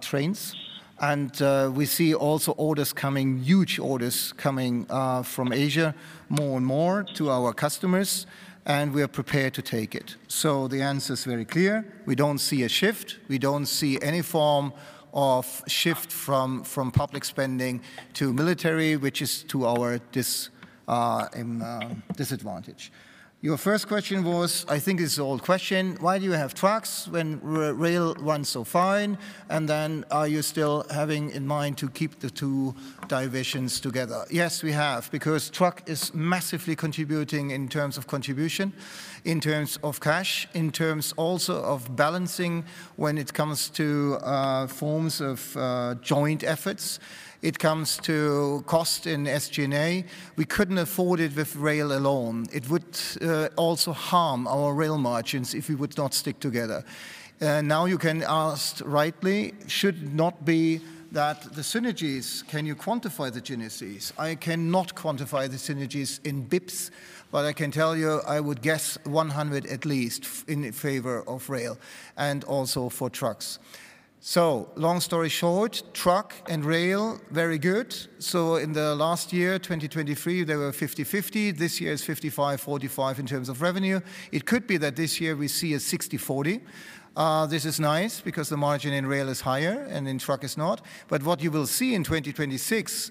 trains. And we see also orders coming, huge orders coming from Asia more and more to our customers, and we are prepared to take it. So the answer is very clear. We don't see a shift. We don't see any form of shift from public spending to military, which is to our disadvantage. Your first question was, I think, an old question. Why do you have trucks when rail runs so fine? And then, are you still having in mind to keep the two divisions together? Yes, we have, because truck is massively contributing in terms of contribution, in terms of cash, in terms also of balancing when it comes to forms of joint efforts. It comes to cost in SG&A. We couldn't afford it with rail alone. It would also harm our rail margins if we would not stick together. Now you can ask rightly, should not be that the synergies, can you quantify the synergies? I cannot quantify the synergies in basis points, but I can tell you I would guess 100 at least in favor of rail and also for trucks. So long story short, truck and rail, very good. So in the last year, 2023, there were 50-50. This year is 55-45 in terms of revenue. It could be that this year we see a 60-40. This is nice because the margin in rail is higher and in truck is not. But what you will see in 2026 is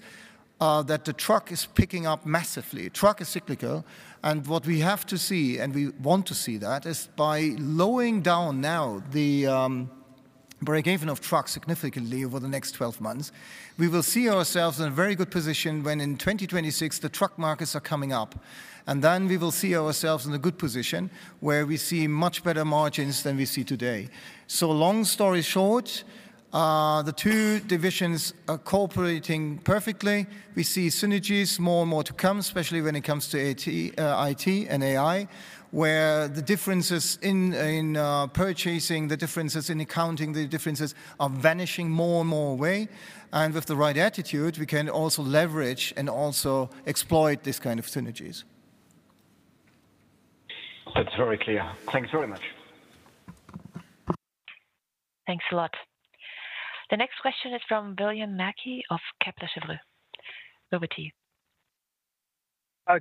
that the truck is picking up massively. Truck is cyclical. And what we have to see, and we want to see that, is by lowering down now the break-even of truck significantly over the next 12 months, we will see ourselves in a very good position when in 2026 the truck markets are coming up. And then we will see ourselves in a good position where we see much better margins than we see today. So long story short, the two divisions are cooperating perfectly. We see synergies more and more to come, especially when it comes to IT and AI, where the differences in purchasing, the differences in accounting, the differences are vanishing more and more away. With the right attitude, we can also leverage and also exploit this kind of synergies. That's very clear. Thanks very much. Thanks a lot. The next question is from William Mackie of Kepler Cheuvreux. Over to you.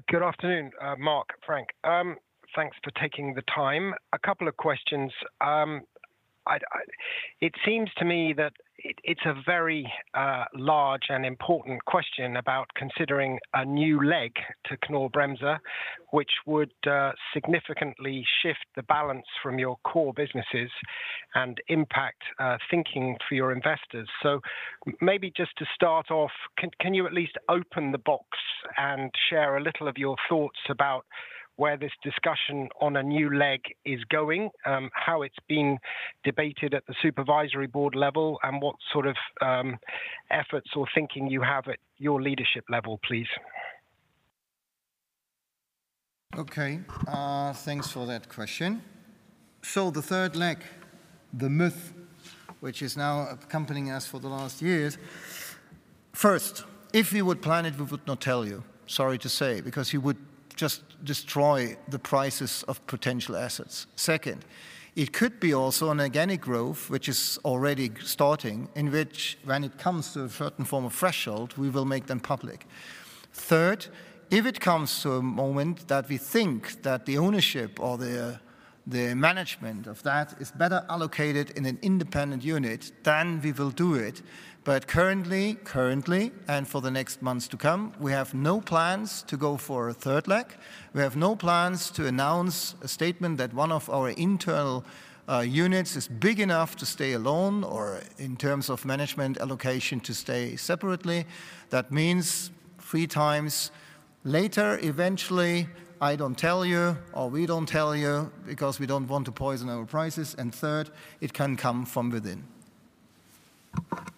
Good afternoon, Marc, Frank. Thanks for taking the time. A couple of questions. It seems to me that it's a very large and important question about considering a new leg to Knorr-Bremse, which would significantly shift the balance from your core businesses and impact thinking for your investors. So maybe just to start off, can you at least open the box and share a little of your thoughts about where this discussion on a new leg is going, how it's been debated at the supervisory board level, and what sort of efforts or thinking you have at your leadership level, please? Okay. Thanks for that question. So the third leg, the myth, which is now accompanying us for the last years. First, if we would plan it, we would not tell you, sorry to say, because you would just destroy the prices of potential assets. Second, it could be also an organic growth, which is already starting, in which when it comes to a certain form of threshold, we will make them public. Third, if it comes to a moment that we think that the ownership or the management of that is better allocated in an independent unit, then we will do it. But currently, currently, and for the next months to come, we have no plans to go for a third leg. We have no plans to announce a statement that one of our internal units is big enough to stay alone or in terms of management allocation to stay separately. That means three times later, eventually, I don't tell you or we don't tell you because we don't want to poison our prices. And third, it can come from within. Thank you.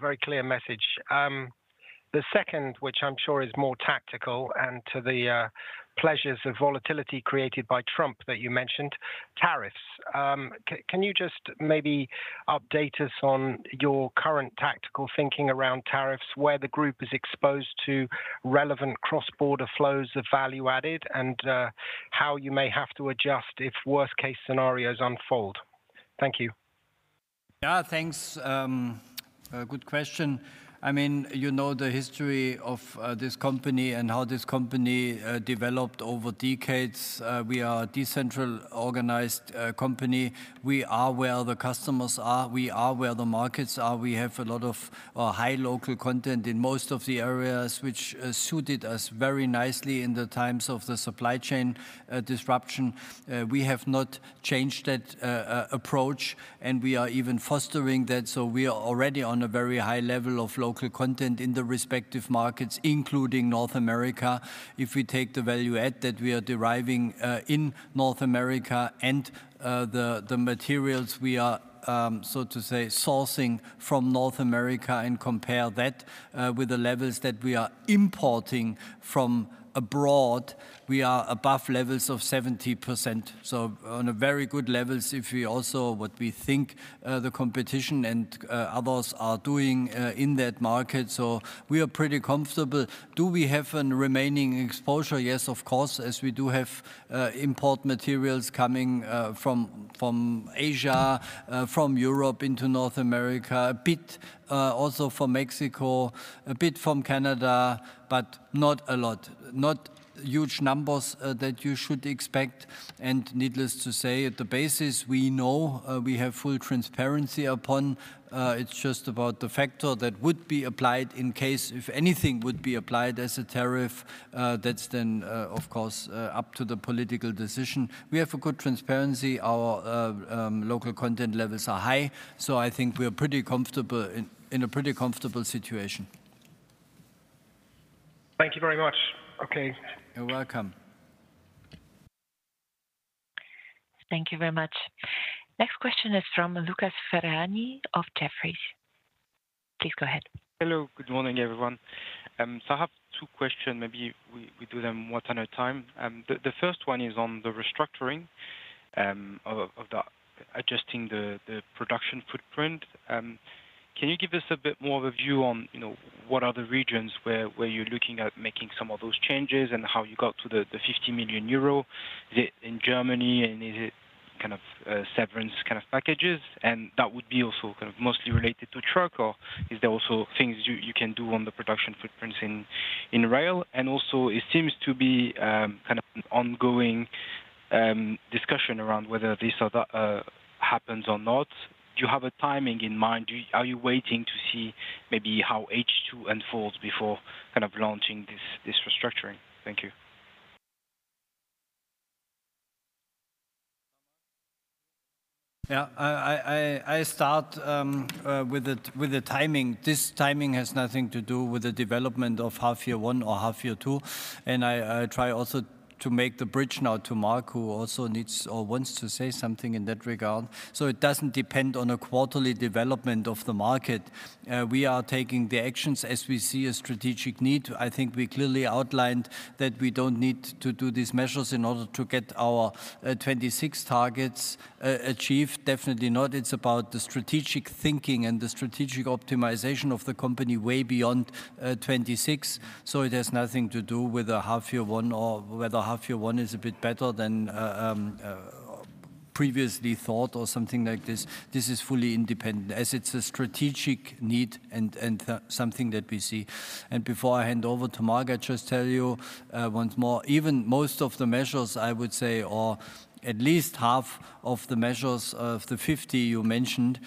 Very clear message. The second, which I'm sure is more tactical and to the pleasures of volatility created by Trump that you mentioned, tariffs. Can you just maybe update us on your current tactical thinking around tariffs, where the group is exposed to relevant cross-border flows of value added and how you may have to adjust if worst-case scenarios unfold? Thank you. Yeah, thanks. Good question. I mean, you know the history of this company and how this company developed over decades. We are a decentralized company. We are where the customers are. We are where the markets are. We have a lot of high local content in most of the areas, which suited us very nicely in the times of the supply chain disruption. We have not changed that approach, and we are even fostering that. So we are already on a very high level of local content in the respective markets, including North America. If we take the value add that we are deriving in North America and the materials we are, so to say, sourcing from North America and compare that with the levels that we are importing from abroad, we are above levels of 70%. So on a very good level, if we also what we think the competition and others are doing in that market. So we are pretty comfortable. Do we have a remaining exposure? Yes, of course, as we do have import materials coming from Asia, from Europe into North America, a bit also from Mexico, a bit from Canada, but not a lot, not huge numbers that you should expect. And needless to say, at the basis, we know we have full transparency upon. It's just about the factor that would be applied in case if anything would be applied as a tariff. That's then, of course, up to the political decision. We have a good transparency. Our local content levels are high. So I think we are pretty comfortable in a pretty comfortable situation. Thank you very much. Okay. You're welcome. Thank you very much. Next question is from Lucas Fergani of Jefferies. Please go ahead. Hello. Good morning, everyone. So I have two questions. Maybe we do them one at a time. The first one is on the restructuring of adjusting the production footprint. Can you give us a bit more of a view on what are the regions where you're looking at making some of those changes and how you got to the 50 million euro? Is it in Germany and is it kind of severance kind of packages? And that would be also kind of mostly related to truck, or is there also things you can do on the production footprints in rail? And also, it seems to be kind of an ongoing discussion around whether this happens or not. Do you have a timing in mind? Are you waiting to see maybe how H2 unfolds before kind of launching this restructuring? Thank you. Yeah, I start with the timing. This timing has nothing to do with the development of half year one or half year two. I try also to make the bridge now to Marc, who also needs or wants to say something in that regard. So it doesn't depend on a quarterly development of the market. We are taking the actions as we see a strategic need. I think we clearly outlined that we don't need to do these measures in order to get our 26 targets achieved. Definitely not. It's about the strategic thinking and the strategic optimization of the company way beyond 26. So it has nothing to do with a half year one or whether half year one is a bit better than previously thought or something like this. This is fully independent as it's a strategic need and something that we see. And before I hand over to Marc, I just tell you once more, even most of the measures, I would say, or at least half of the measures of the 50 you mentioned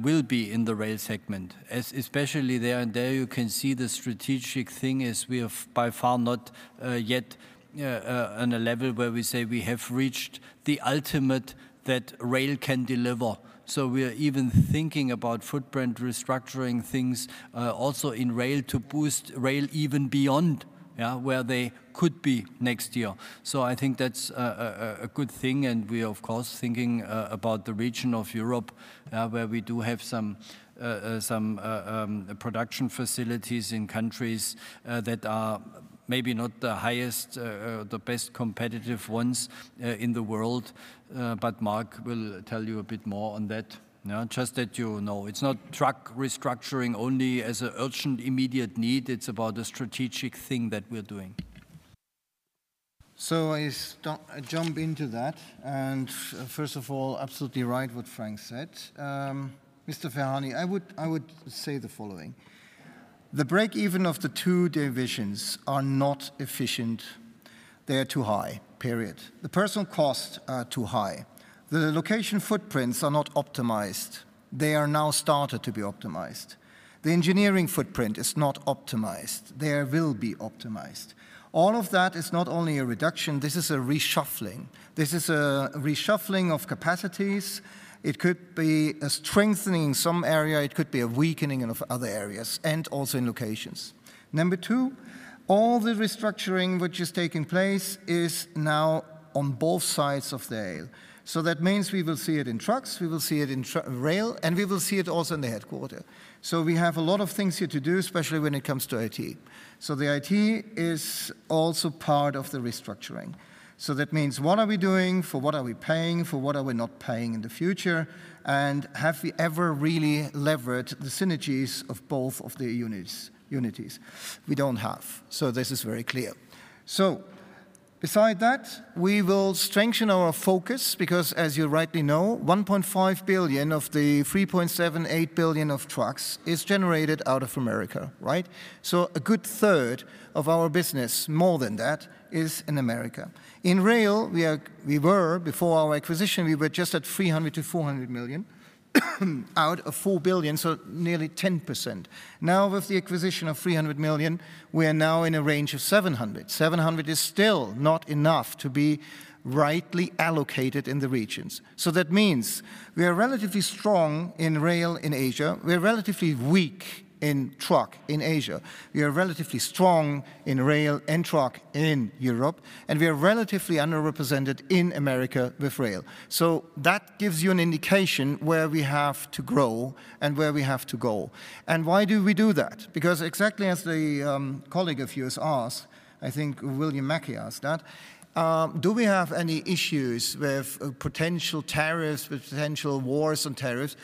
will be in the rail segment, especially there. And there you can see the strategic thing is we have by far not yet on a level where we say we have reached the ultimate that rail can deliver. So we are even thinking about footprint restructuring things also in rail to boost rail even beyond where they could be next year. So I think that's a good thing. And we are, of course, thinking about the region of Europe where we do have some production facilities in countries that are maybe not the highest, the best competitive ones in the world. But Marc will tell you a bit more on that. Just that you know, it's not truck restructuring only as an urgent immediate need. It's about a strategic thing that we're doing. So I jump into that. And first of all, absolutely right what Frank said. Mr. Fergani, I would say the following. The break-even of the two divisions are not efficient. They are too high, period. The personnel costs are too high. The location footprints are not optimized. They are now started to be optimized. The engineering footprint is not optimized. There will be optimized. All of that is not only a reduction. This is a reshuffling. This is a reshuffling of capacities. It could be a strengthening in some area. It could be a weakening in other areas and also in locations. Number two, all the restructuring which is taking place is now on both sides of the aisle. So that means we will see it in trucks. We will see it in rail, and we will see it also in the headquarters. So we have a lot of things here to do, especially when it comes to IT. So the IT is also part of the restructuring. So that means what are we doing? For what are we paying? For what are we not paying in the future? And have we ever really leveraged the synergies of both of the entities? We don't have. So this is very clear. So besides that, we will strengthen our focus because, as you rightly know, 1.5 billion of the 3.78 billion of trucks is generated out of America, right? So a good third of our business, more than that, is in America. In rail, we were before our acquisition, we were just at 300 million-400 million out of 4 billion, so nearly 10%. Now, with the acquisition of 300 million, we are now in a range of 700 million. 700 million is still not enough to be rightly allocated in the regions. So that means we are relatively strong in rail in Asia. We are relatively weak in truck in Asia. We are relatively strong in rail and truck in Europe, and we are relatively underrepresented in America with rail. So that gives you an indication where we have to grow and where we have to go. Why do we do that? Because exactly as the colleague of yours asked, I think William Mackie asked that, do we have any issues with potential tariffs, with potential wars on tariffs?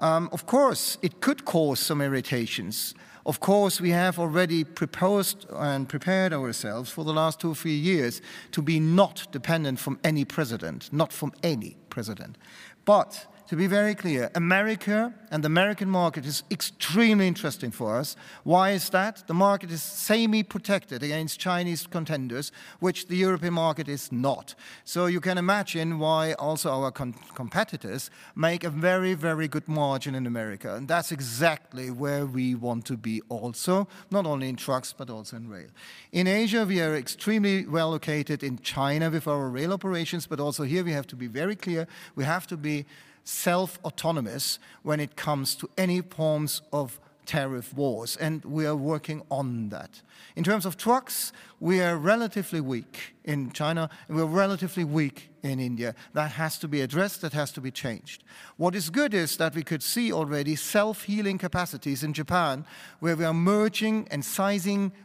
Of course, it could cause some irritations. Of course, we have already proposed and prepared ourselves for the last two or three years to be not dependent from any president, not from any president. But to be very clear, America and the American market is extremely interesting for us. Why is that? The market is semi-protected against Chinese contenders, which the European market is not. So you can imagine why also our competitors make a very, very good margin in America. And that's exactly where we want to be also, not only in trucks, but also in rail. In Asia, we are extremely well located in China with our rail operations, but also here we have to be very clear. We have to be self-autonomous when it comes to any forms of tariff wars, and we are working on that. In terms of trucks, we are relatively weak in China, and we are relatively weak in India. That has to be addressed. That has to be changed. What is good is that we could see already self-healing capacities in Japan, where we are merging and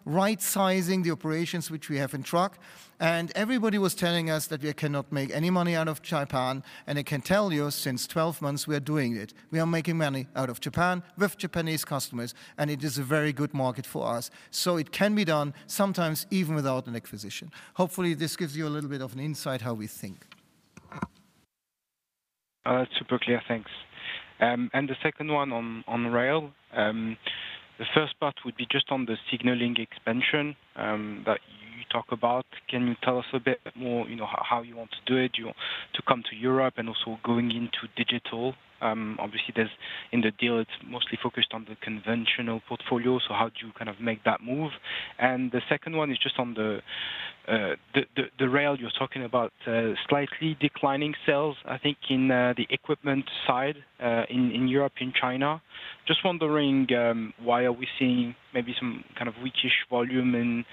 right-sizing the operations which we have in truck. And everybody was telling us that we cannot make any money out of Japan. And I can tell you, since 12 months, we are doing it. We are making money out of Japan with Japanese customers, and it is a very good market for us. So it can be done sometimes even without an acquisition. Hopefully, this gives you a little bit of an insight how we think. That's super clear. Thanks. And the second one on rail, the first part would be just on the signaling expansion that you talk about. Can you tell us a bit more how you want to do it to come to Europe and also going into digital? Obviously, in the deal, it's mostly focused on the conventional portfolio. So how do you kind of make that move? And the second one is just on the rail you're talking about, slightly declining sales, I think, in the equipment side in Europe, in China. Just wondering, why are we seeing maybe some kind of weakish volume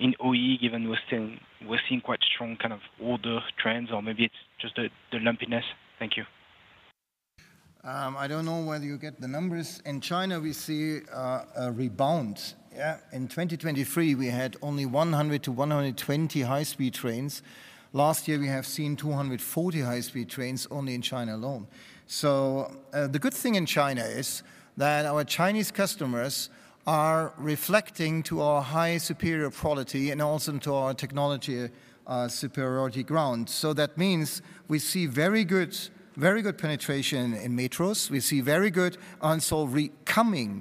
in OE, given we're seeing quite strong kind of order trends, or maybe it's just the lumpiness? Thank you. I don't know whether you get the numbers. In China, we see a rebound. In 2023, we had only 100-120 high-speed trains. Last year, we have seen 240 high-speed trains only in China alone. So the good thing in China is that our Chinese customers are reflecting to our high superior quality and also to our technology superiority ground. So that means we see very good penetration in metros. We see very good solid recovery.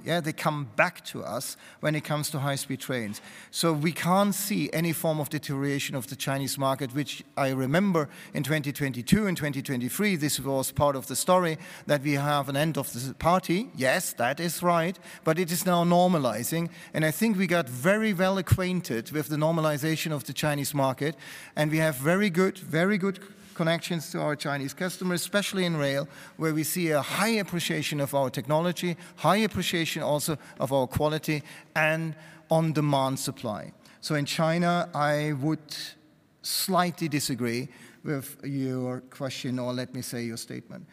They come back to us when it comes to high-speed trains. So we can't see any form of deterioration of the Chinese market, which I remember in 2022 and 2023, this was part of the story that we have an end of the party. Yes, that is right, but it is now normalizing. I think we got very well acquainted with the normalization of the Chinese market. We have very good, very good connections to our Chinese customers, especially in rail, where we see a high appreciation of our technology, high appreciation also of our quality and on-demand supply. In China, I would slightly disagree with your question or let me say your statement.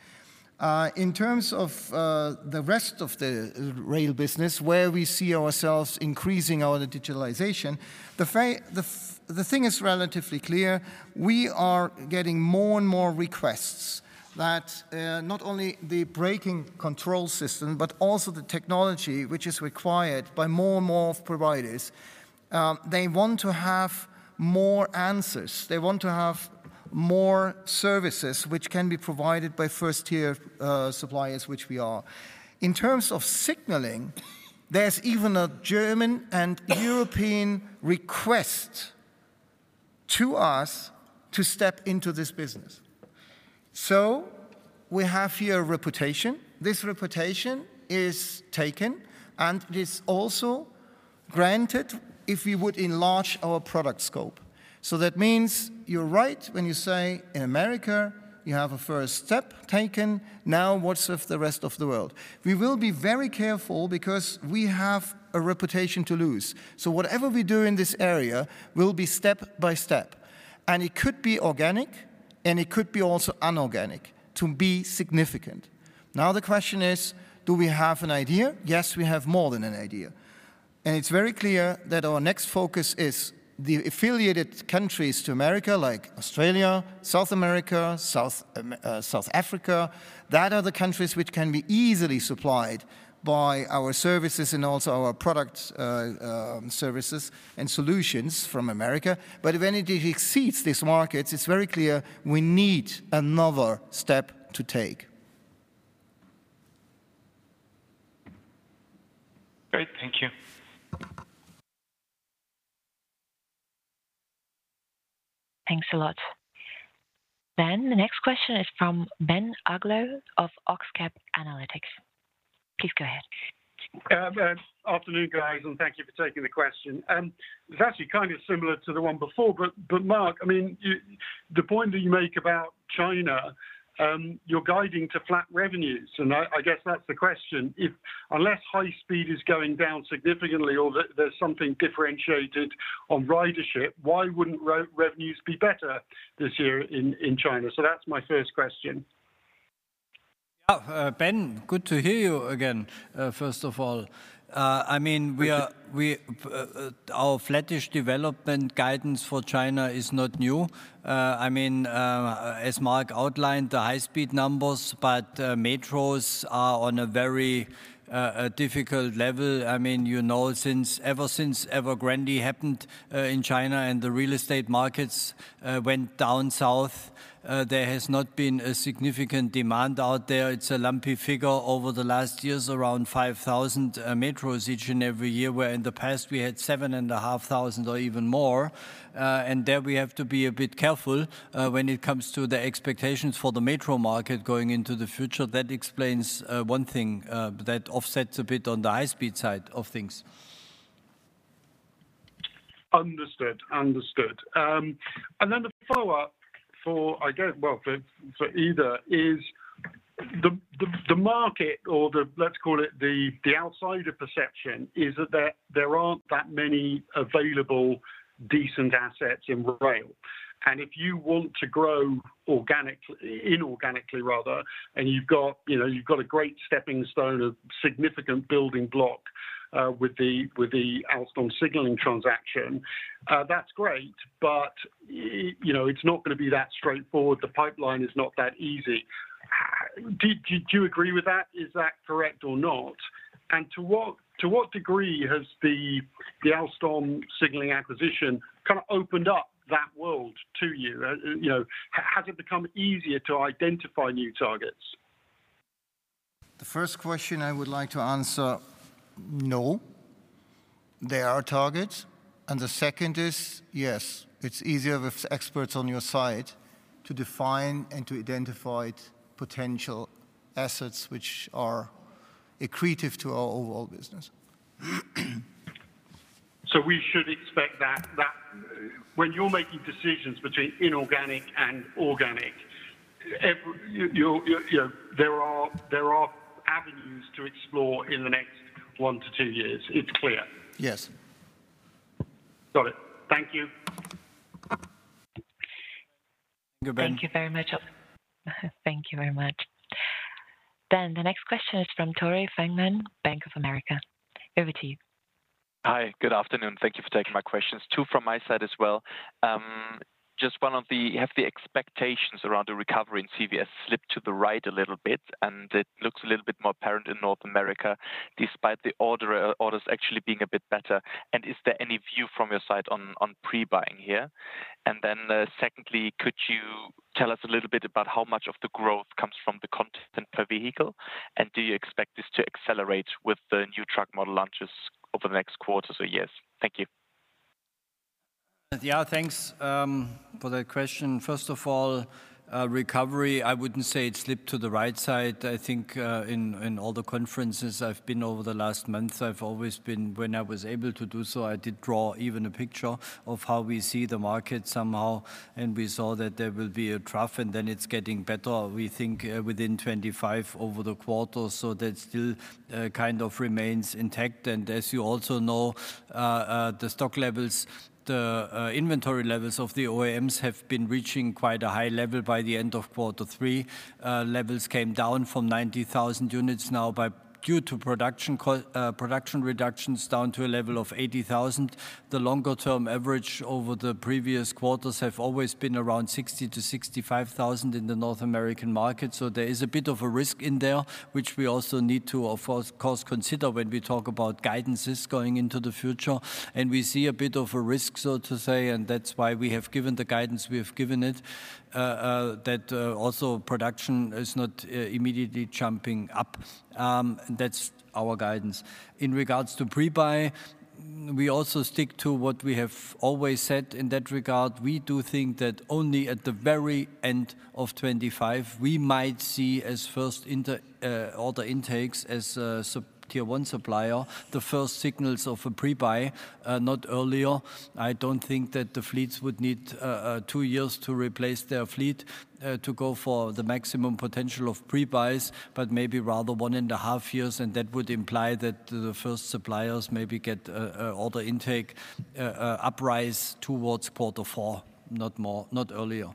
In terms of the rest of the rail business, where we see ourselves increasing our digitalization, the thing is relatively clear. We are getting more and more requests that not only the braking control system, but also the technology which is required by more and more providers. They want to have more answers. They want to have more services which can be provided by first-tier suppliers, which we are. In terms of signaling, there's even a German and European request to us to step into this business, so we have here a reputation. This reputation is taken, and it is also granted if we would enlarge our product scope, so that means you're right when you say in America, you have a first step taken. Now, what's with the rest of the world? We will be very careful because we have a reputation to lose, so whatever we do in this area will be step by step, and it could be organic, and it could be also inorganic to be significant. Now, the question is, do we have an idea? Yes, we have more than an idea, and it's very clear that our next focus is the affiliated countries to America, like Australia, South America, South Africa. That are the countries which can be easily supplied by our services and also our product services and solutions from America. But when it exceeds these markets, it's very clear we need another step to take. Great. Thank you. Thanks a lot, then the next question is from Ben Uglow of Oxcap Analytics. Please go ahead. Afternoon, guys, and thank you for taking the question. It's actually kind of similar to the one before, but Marc, I mean, the point that you make about China, you're guiding to flat revenues, and I guess that's the question. Unless high speed is going down significantly or there's something differentiated on ridership, why wouldn't revenues be better this year in China? So that's my first question. Yeah, Ben, good to hear you again, first of all. I mean, our flattish development guidance for China is not new. I mean, as Marc outlined, the high-speed numbers, but metros are on a very difficult level. I mean, ever since Evergrande happened in China and the real estate markets went down south, there has not been a significant demand out there. It's a lumpy figure over the last years, around 5,000 metros each and every year, where in the past we had 7,500 or even more, and there we have to be a bit careful when it comes to the expectations for the metro market going into the future. That explains one thing that offsets a bit on the high-speed side of things. Understood. And then the follow-up for, I guess, well, for either is the market or the, let's call it the outsider perception is that there aren't that many available decent assets in rail. And if you want to grow organically, inorganically rather, and you've got a great stepping stone of significant building block with the outstanding signaling transaction, that's great, but it's not going to be that straightforward. The pipeline is not that easy. Do you agree with that? Is that correct or not? And to what degree has the outstanding signaling acquisition kind of opened up that world to you? Has it become easier to identify new targets? The first question I would like to answer, no. There are targets. And the second is, yes, it's easier with experts on your side to define and to identify potential assets which are accretive to our overall business. So we should expect that when you're making decisions between inorganic and organic, there are avenues to explore in the next one to two years. It's clear. Yes. Got it. Thank you. Thank you, Ben. Thank you very much. Thank you very much. Then the next question is from Torrey Fangman, Bank of America. Over to you. Hi, good afternoon. Thank you for taking my questions. Two from my side as well. Just one of the, have the expectations around the recovery in CVS slipped to the right a little bit, and it looks a little bit more apparent in North America despite the orders actually being a bit better. And is there any view from your side on pre-buying here? And then, secondly, could you tell us a little bit about how much of the growth comes from the content per vehicle? And do you expect this to accelerate with the new truck model launches over the next quarter or years? Thank you. Yeah, thanks for that question. First of all, recovery, I wouldn't say it slipped to the right side. I think in all the conferences I've been over the last month, I've always been, when I was able to do so, I did draw even a picture of how we see the market somehow, and we saw that there will be a trough, and then it's getting better, we think, within 25 over the quarter. So that still kind of remains intact. As you also know, the stock levels, the inventory levels of the OEMs have been reaching quite a high level by the end of quarter three. Levels came down from 90,000 units now due to production reductions down to a level of 80,000. The longer-term average over the previous quarters has always been around 60,000 to 65,000 in the North American market. So there is a bit of a risk in there, which we also need to, of course, consider when we talk about guidances going into the future. And we see a bit of a risk, so to say, and that's why we have given the guidance we have given it, that also production is not immediately jumping up. That's our guidance. In regards to pre-buy, we also stick to what we have always said in that regard. We do think that only at the very end of 2025, we might see as first order intakes as a tier one supplier, the first signals of a pre-buy, not earlier. I don't think that the fleets would need two years to replace their fleet to go for the maximum potential of pre-buys, but maybe rather one and a half years, and that would imply that the first suppliers maybe get an order intake uprise towards quarter four, not earlier.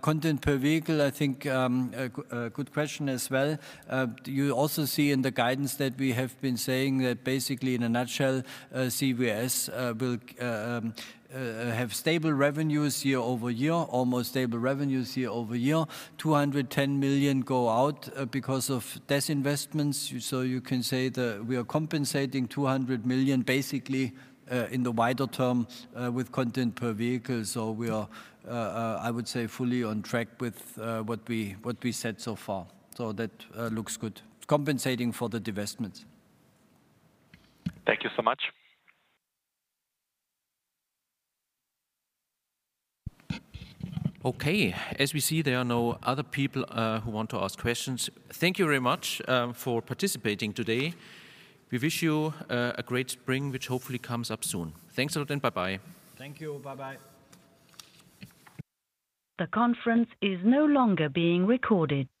Content per vehicle, I think, good question as well. You also see in the guidance that we have been saying that basically in a nutshell, CVS will have stable revenues year over year, almost stable revenues year over year. 210 million go out because of disinvestments. So you can say that we are compensating 200 million basically in the wider term with content per vehicle. So we are, I would say, fully on track with what we said so far. So that looks good. Compensating for the divestments. Thank you so much. Okay. As we see, there are no other people who want to ask questions. Thank you very much for participating today. We wish you a great spring, which hopefully comes up soon. Thanks a lot and bye-bye. Thank you. Bye-bye. The conference is no longer being recorded.